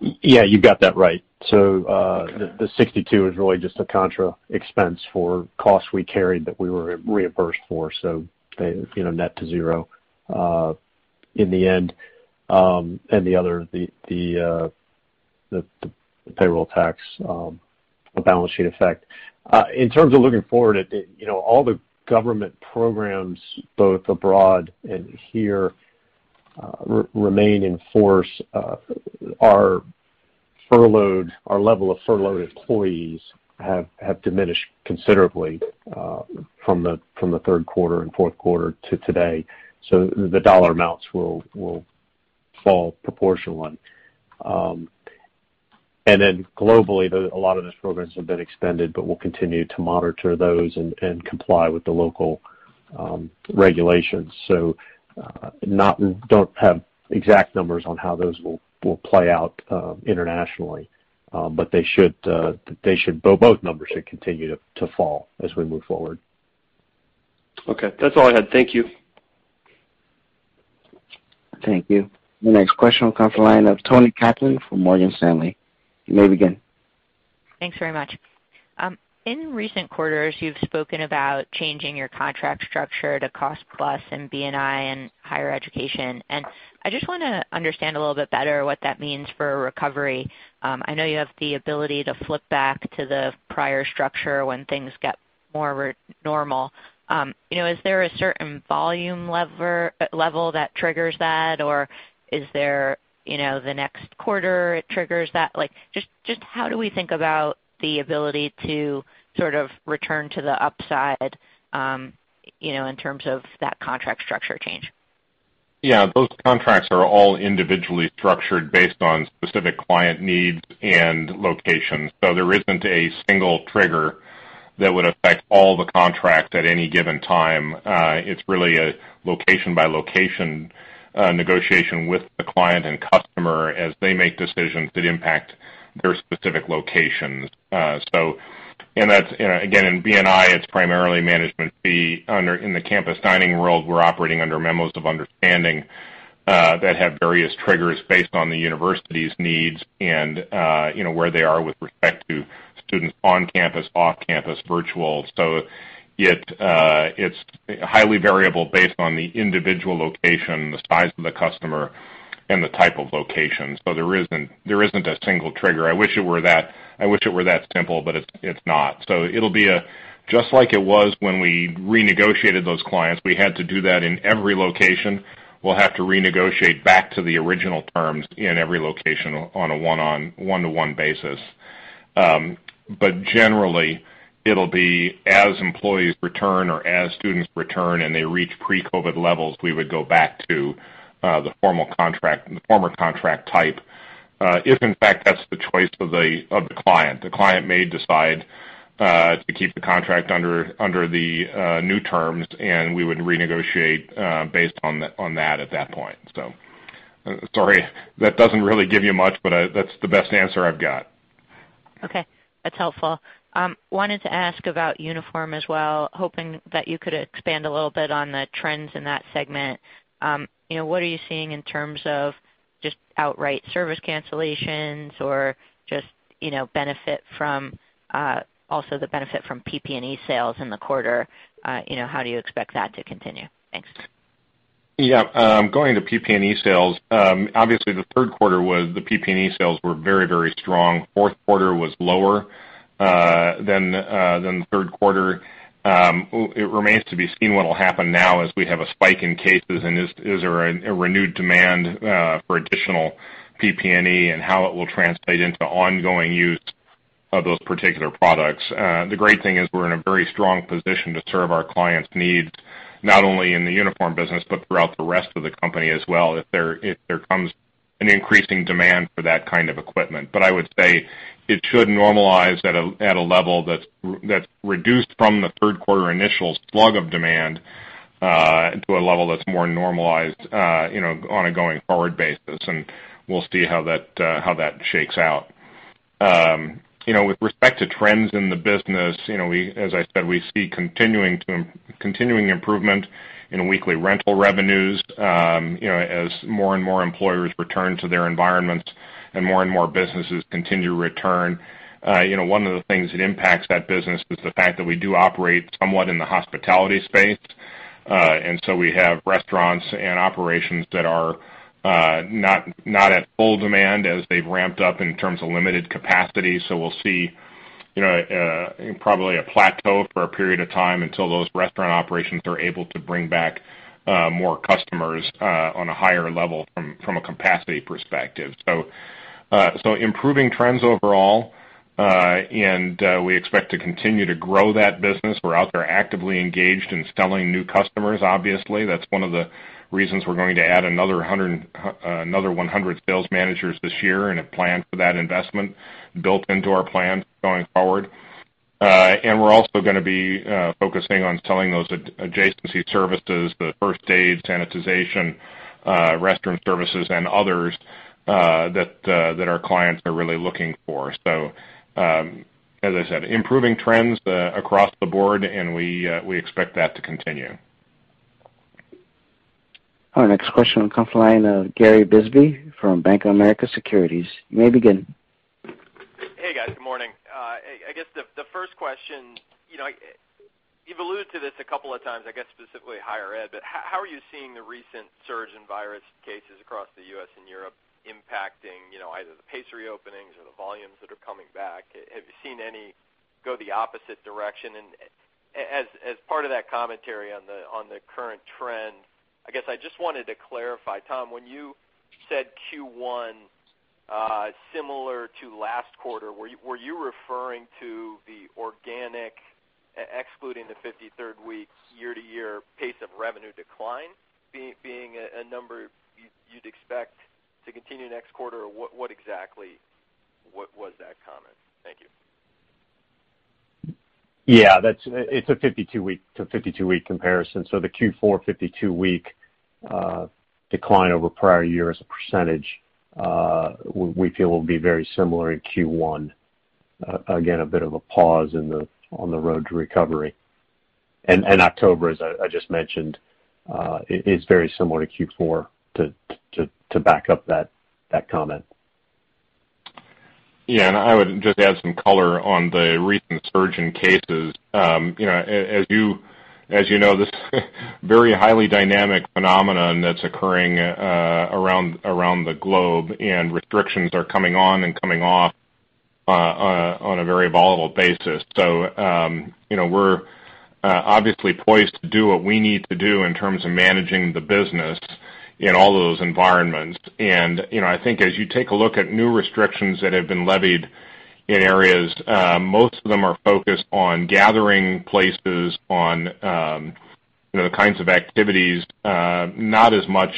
You got that right. The $62 is really just a contra expense for costs we carried that we were reimbursed for. Net to zero in the end. The other, the payroll tax, a balance sheet effect. In terms of looking forward, all the government programs, both abroad and here, remain in force. Our level of furloughed employees have diminished considerably from the third quarter and fourth quarter to today. The dollar amounts will fall proportionally. Globally, a lot of those programs have been extended, but we'll continue to monitor those and comply with the local regulations. Don't have exact numbers on how those will play out internationally. Both numbers should continue to fall as we move forward. Okay. That's all I had. Thank you. Thank you. The next question will come from the line of Toni Kaplan from Morgan Stanley. You may begin. Thanks very much. In recent quarters, you've spoken about changing your contract structure to cost-plus in B&I and higher education. I just want to understand a little bit better what that means for a recovery. I know you have the ability to flip back to the prior structure when things get more normal. Is there a certain volume level that triggers that, or is there the next quarter it triggers that? Just how do we think about the ability to sort of return to the upside, in terms of that contract structure change? Yeah. Those contracts are all individually structured based on specific client needs and locations. There isn't a single trigger that would affect all the contracts at any given time. It's really a location-by-location negotiation with the client and customer as they make decisions that impact their specific locations. Again, in B&I, it's primarily management fee. In the campus dining world, we're operating under memos of understanding that have various triggers based on the university's needs and where they are with respect to students on campus, off campus, virtual. It's highly variable based on the individual location, the size of the customer, and the type of location. There isn't a single trigger. I wish it were that simple, but it's not. It'll be just like it was when we renegotiated those clients. We had to do that in every location. We'll have to renegotiate back to the original terms in every location on a one-to-one basis. Generally, it'll be as employees return or as students return, and they reach pre-COVID levels, we would go back to the former contract type. If, in fact, that's the choice of the client. The client may decide to keep the contract under the new terms, and we would renegotiate based on that at that point. Sorry, that doesn't really give you much, but that's the best answer I've got. That's helpful. Wanted to ask about Uniform as well, hoping that you could expand a little bit on the trends in that segment. What are you seeing in terms of just outright service cancellations or just also the benefit from PP&E sales in the quarter? How do you expect that to continue? Thanks. Going to PP&E sales. Obviously, the third quarter, the PP&E sales were very strong. Fourth quarter was lower than the third quarter. It remains to be seen what'll happen now as we have a spike in cases, and is there a renewed demand for additional PP&E, and how it will translate into ongoing use of those particular products. The great thing is we're in a very strong position to serve our clients' needs, not only in the uniform business, but throughout the rest of the company as well, if there comes an increasing demand for that kind of equipment. I would say it should normalize at a level that's reduced from the third quarter initial slug of demand, to a level that's more normalized on a going forward basis, and we'll see how that shakes out. With respect to trends in the business, as I said, we see continuing improvement in weekly rental revenues, as more and more employers return to their environments and more and more businesses continue to return. One of the things that impacts that business is the fact that we do operate somewhat in the hospitality space. We have restaurants and operations that are not at full demand as they've ramped up in terms of limited capacity. We'll see probably a plateau for a period of time until those restaurant operations are able to bring back more customers on a higher level from a capacity perspective. Improving trends overall, and we expect to continue to grow that business. We're out there actively engaged in selling new customers, obviously. That's one of the reasons we're going to add another 100 sales managers this year and have planned for that investment built into our plans going forward. We're also going to be focusing on selling those adjacency services, the first aid, sanitization, restroom services, and others that our clients are really looking for. As I said, improving trends across the board, and we expect that to continue. Our next question comes from the line of Gary Bisbee from Bank of America Securities. You may begin. Hey, guys. Good morning. I guess the first question, you've alluded to this a couple of times, I guess specifically higher ED, but how are you seeing the recent surge in virus cases across the U.S. and Europe impacting either the pace reopenings or the volumes that are coming back? Have you seen any go the opposite direction? As part of that commentary on the current trend, I guess I just wanted to clarify, Tom, when you said Q1 similar to last quarter, were you referring to the organic, excluding the 53rd week, year-to-year pace of revenue decline being a number you'd expect to continue next quarter, or what exactly was that comment? Thank you. Yeah. It's a 52-week comparison. The Q4 52-week decline over prior year as a percentage, we feel will be very similar in Q1. Again, a bit of a pause on the road to recovery. October, as I just mentioned, is very similar to Q4 to back up that comment. Yeah. I would just add some color on the recent surge in cases. As you know, this very highly dynamic phenomenon that's occurring around the globe, and restrictions are coming on and coming off on a very volatile basis. We're obviously poised to do what we need to do in terms of managing the business in all of those environments. I think as you take a look at new restrictions that have been levied in areas, most of them are focused on gathering places, on the kinds of activities, not as much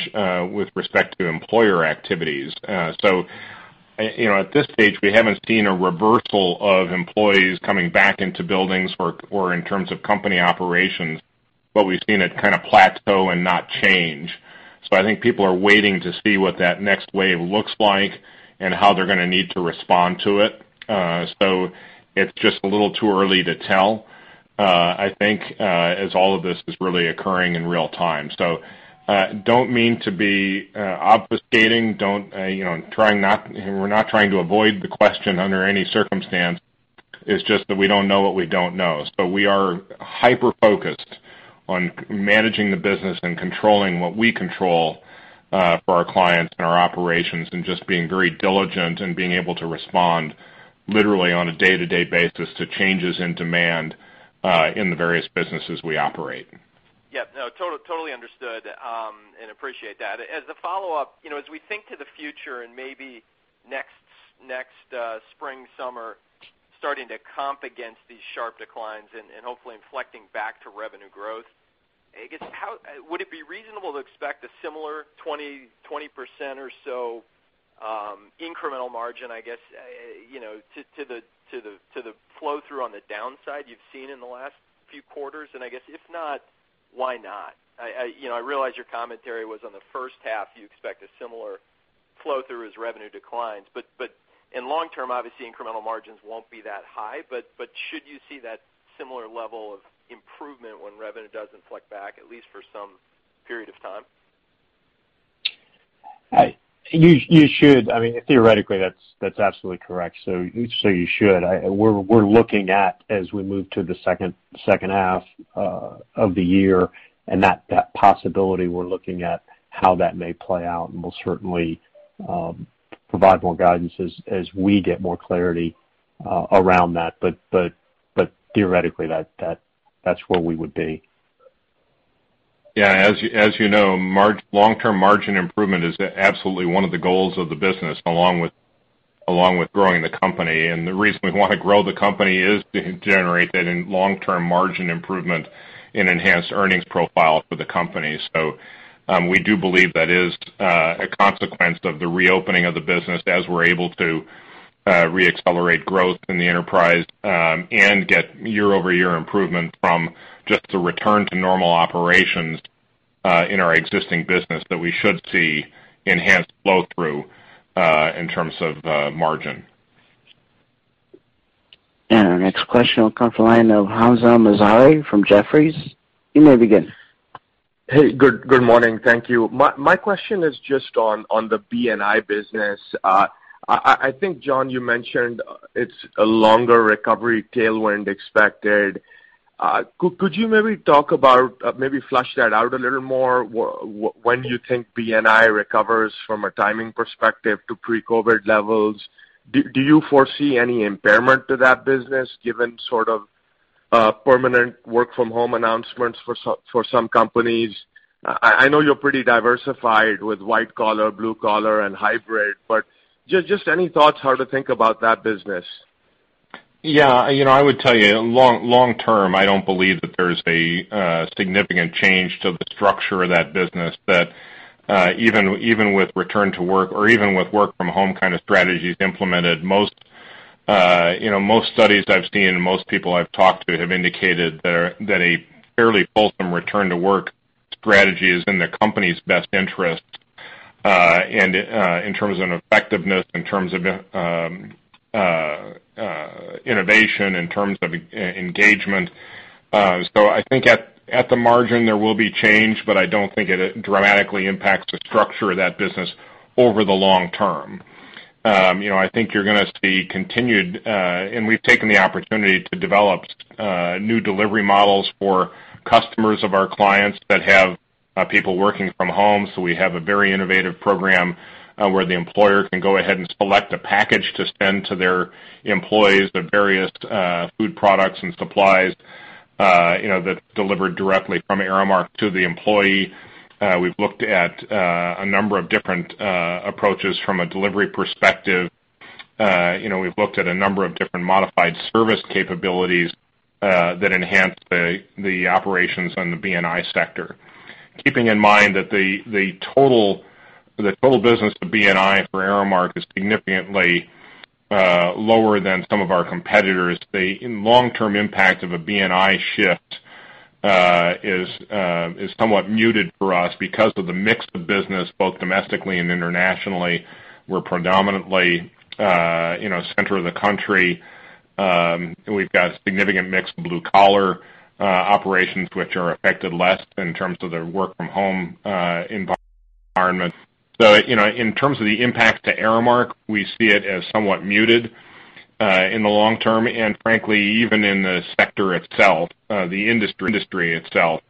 with respect to employer activities. At this stage, we haven't seen a reversal of employees coming back into buildings or in terms of company operations, but we've seen it kind of plateau and not change. I think people are waiting to see what that next wave looks like and how they're going to need to respond to it. It's just a little too early to tell. I think, as all of this is really occurring in real time. Don't mean to be obfuscating. We're not trying to avoid the question under any circumstance. It's just that we don't know what we don't know. We are hyper-focused on managing the business and controlling what we control for our clients and our operations, and just being very diligent and being able to respond literally on a day-to-day basis to changes in demand in the various businesses we operate. Yeah, no, totally understood, and appreciate that. As a follow-up, as we think to the future and maybe next spring, summer, starting to comp against these sharp declines and hopefully inflecting back to revenue growth, I guess, would it be reasonable to expect a similar 20% or so incremental margin, I guess, to the flow-through on the downside you've seen in the last few quarters? I guess, if not, why not? I realize your commentary was on the first half, you expect a similar flow-through as revenue declines. In long term, obviously, incremental margins won't be that high. Should you see that similar level of improvement when revenue does inflect back, at least for some period of time? You should. Theoretically, that's absolutely correct. You should. We're looking at as we move to the second half of the year and that possibility, we're looking at how that may play out, and we'll certainly provide more guidance as we get more clarity around that. Theoretically, that's where we would be. Yeah. As you know, long-term margin improvement is absolutely one of the goals of the business, along with growing the company. The reason we want to grow the company is to generate that long-term margin improvement and enhance earnings profile for the company. We do believe that is a consequence of the reopening of the business as we're able to re-accelerate growth in the enterprise, and get year-over-year improvement from just a return to normal operations, in our existing business, that we should see enhanced flow-through, in terms of margin. Our next question will come from the line of Hamzah Mazari from Jefferies. You may begin. Hey, good morning. Thank you. My question is just on the B&I business. I think, John, you mentioned it's a longer recovery tailwind expected. Could you maybe talk about, maybe flush that out a little more, when you think B&I recovers from a timing perspective to pre-COVID levels? Do you foresee any impairment to that business given sort of permanent work from home announcements for some companies? I know you're pretty diversified with white collar, blue collar, and hybrid, but just any thoughts how to think about that business? I would tell you long term, I don't believe that there's a significant change to the structure of that business that even with return to work or even with work from home kind of strategies implemented. Most studies I've seen and most people I've talked to have indicated that a fairly fulsome return to work strategy is in the company's best interest, in terms of effectiveness, in terms of innovation, in terms of engagement. I think at the margin, there will be change, but I don't think it dramatically impacts the structure of that business over the long term. We've taken the opportunity to develop new delivery models for customers of our clients that have people working from home. We have a very innovative program, where the employer can go ahead and select a package to send to their employees, the various food products and supplies that deliver directly from Aramark to the employee. We've looked at a number of different approaches from a delivery perspective. We've looked at a number of different modified service capabilities that enhance the operations on the B&I sector. Keeping in mind that the total business of B&I for Aramark is significantly lower than some of our competitors. The long-term impact of a B&I shift is somewhat muted for us because of the mix of business, both domestically and internationally. We're predominantly center of the country. We've got a significant mix of blue collar operations, which are affected less in terms of their work from home environment. In terms of the impact to Aramark, we see it as somewhat muted in the long term, and frankly, even in the sector itself, the industry itself,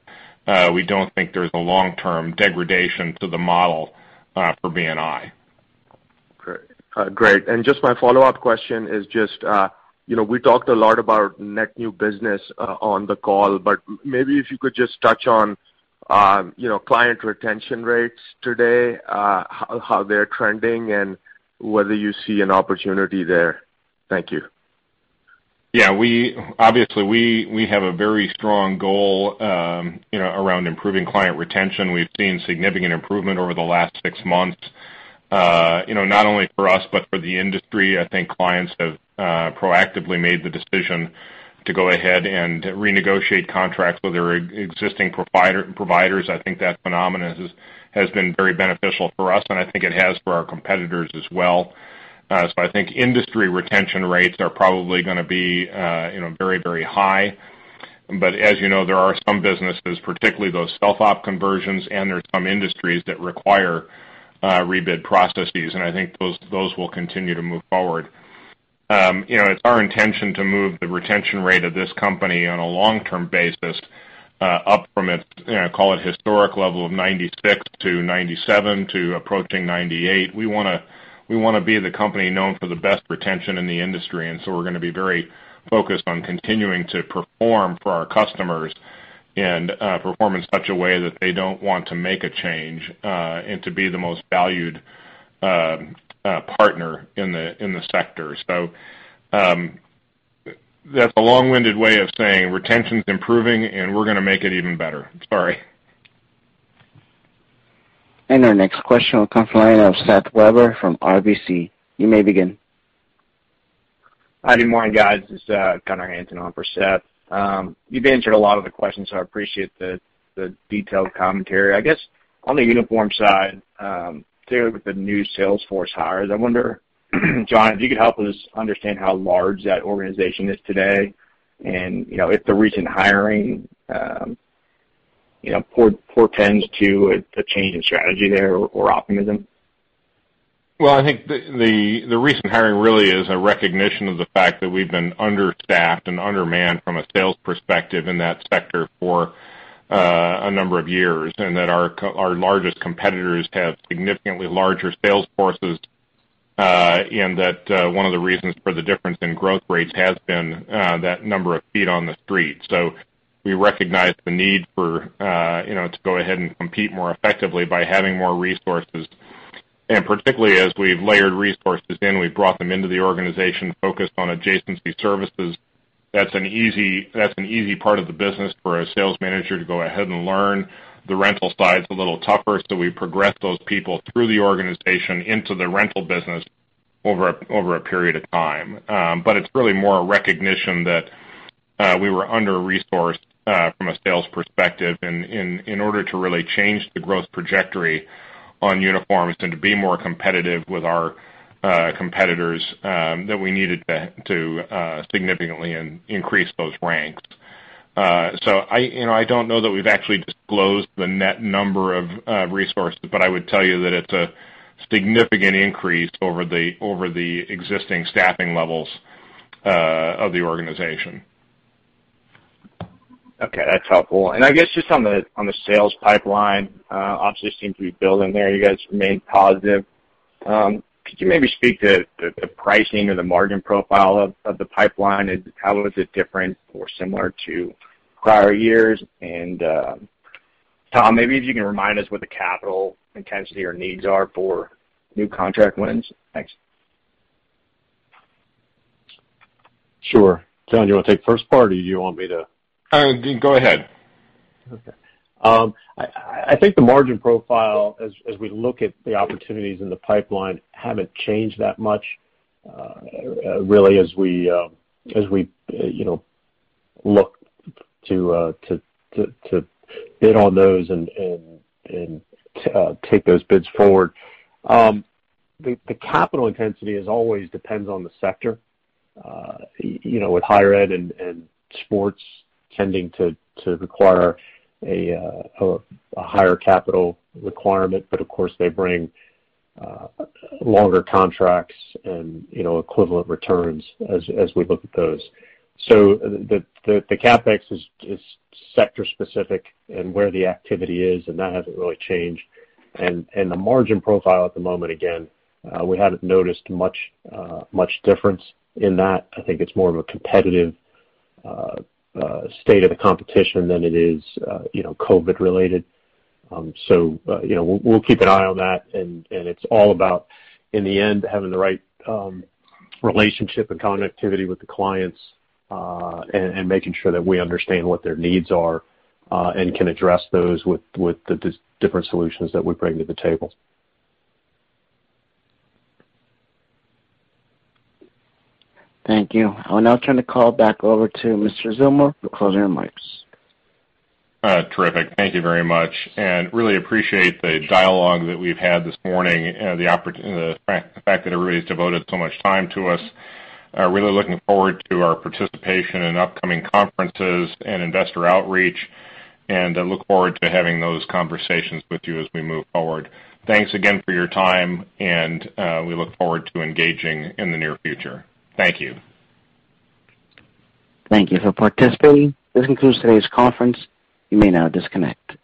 we don't think there's a long-term degradation to the model for B&I. Great. Just my follow-up question is just, we talked a lot about net new business on the call, but maybe if you could just touch on client retention rates today, how they're trending, and whether you see an opportunity there. Thank you. Obviously, we have a very strong goal around improving client retention. We've seen significant improvement over the last six months. Not only for us, but for the industry. I think clients have proactively made the decision to go ahead and renegotiate contracts with their existing providers. I think that phenomenon has been very beneficial for us, and I think it has for our competitors as well. I think industry retention rates are probably going to be very, very high. As you know, there are some businesses, particularly those self-op conversions, and there's some industries that require rebid processes, and I think those will continue to move forward. It's our intention to move the retention rate of this company on a long-term basis up from its, call it, historic level of 96-97 to approaching 98. We want to be the company known for the best retention in the industry. We're going to be very focused on continuing to perform for our customers and perform in such a way that they don't want to make a change, and to be the most valued partner in the sector. That's a long-winded way of saying retention's improving, and we're going to make it even better. Sorry. Our next question will come from the line of Seth Weber from RBC. You may begin. Hi, good morning, guys. It's Gunnar Hansen on for Seth. You've answered a lot of the questions, so I appreciate the detailed commentary. I guess on the uniform side, clearly with the new sales force hires, I wonder, John, if you could help us understand how large that organization is today, and if the recent hiring portends to a change in strategy there or optimism? Well, I think the recent hiring really is a recognition of the fact that we've been understaffed and undermanned from a sales perspective in that sector for a number of years, and that our largest competitors have significantly larger sales forces. That one of the reasons for the difference in growth rates has been that number of feet on the street. We recognize the need to go ahead and compete more effectively by having more resources. Particularly as we've layered resources in, we've brought them into the organization focused on adjacency services. That's an easy part of the business for a sales manager to go ahead and learn. The rental side's a little tougher, so we progress those people through the organization into the rental business over a period of time. It's really more a recognition that we were under-resourced from a sales perspective, and in order to really change the growth trajectory on uniforms and to be more competitive with our competitors, that we needed to significantly increase those ranks. I don't know that we've actually disclosed the net number of resources, but I would tell you that it's a significant increase over the existing staffing levels of the organization. Okay, that's helpful. I guess just on the sales pipeline, obviously seems to be building there. You guys remain positive. Could you maybe speak to the pricing or the margin profile of the pipeline? How is it different or similar to prior years? Tom, maybe if you can remind us what the capital intensity or needs are for new contract wins? Thanks. Sure. John, you want to take the first part, or you want me to? Go ahead. I think the margin profile, as we look at the opportunities in the pipeline, haven't changed that much really as we look to bid on those and take those bids forward. The capital intensity is always depends on the sector. With higher ED and sports tending to require a higher capital requirement. Of course, they bring longer contracts and equivalent returns as we look at those. The CapEx is sector specific and where the activity is, and that hasn't really changed. The margin profile at the moment, again, we haven't noticed much difference in that. I think it's more of a competitive state of the competition than it is COVID related. We'll keep an eye on that. It's all about, in the end, having the right relationship and connectivity with the clients, and making sure that we understand what their needs are, and can address those with the different solutions that we bring to the table. Thank you. I'll now turn the call back over to Mr. Zillmer for closing remarks. Terrific. Thank you very much, and really appreciate the dialogue that we've had this morning and the fact that everybody's devoted so much time to us. Really looking forward to our participation in upcoming conferences and investor outreach, and I look forward to having those conversations with you as we move forward. Thanks again for your time, and we look forward to engaging in the near future. Thank you. Thank you for participating. This concludes today's conference. You may now disconnect.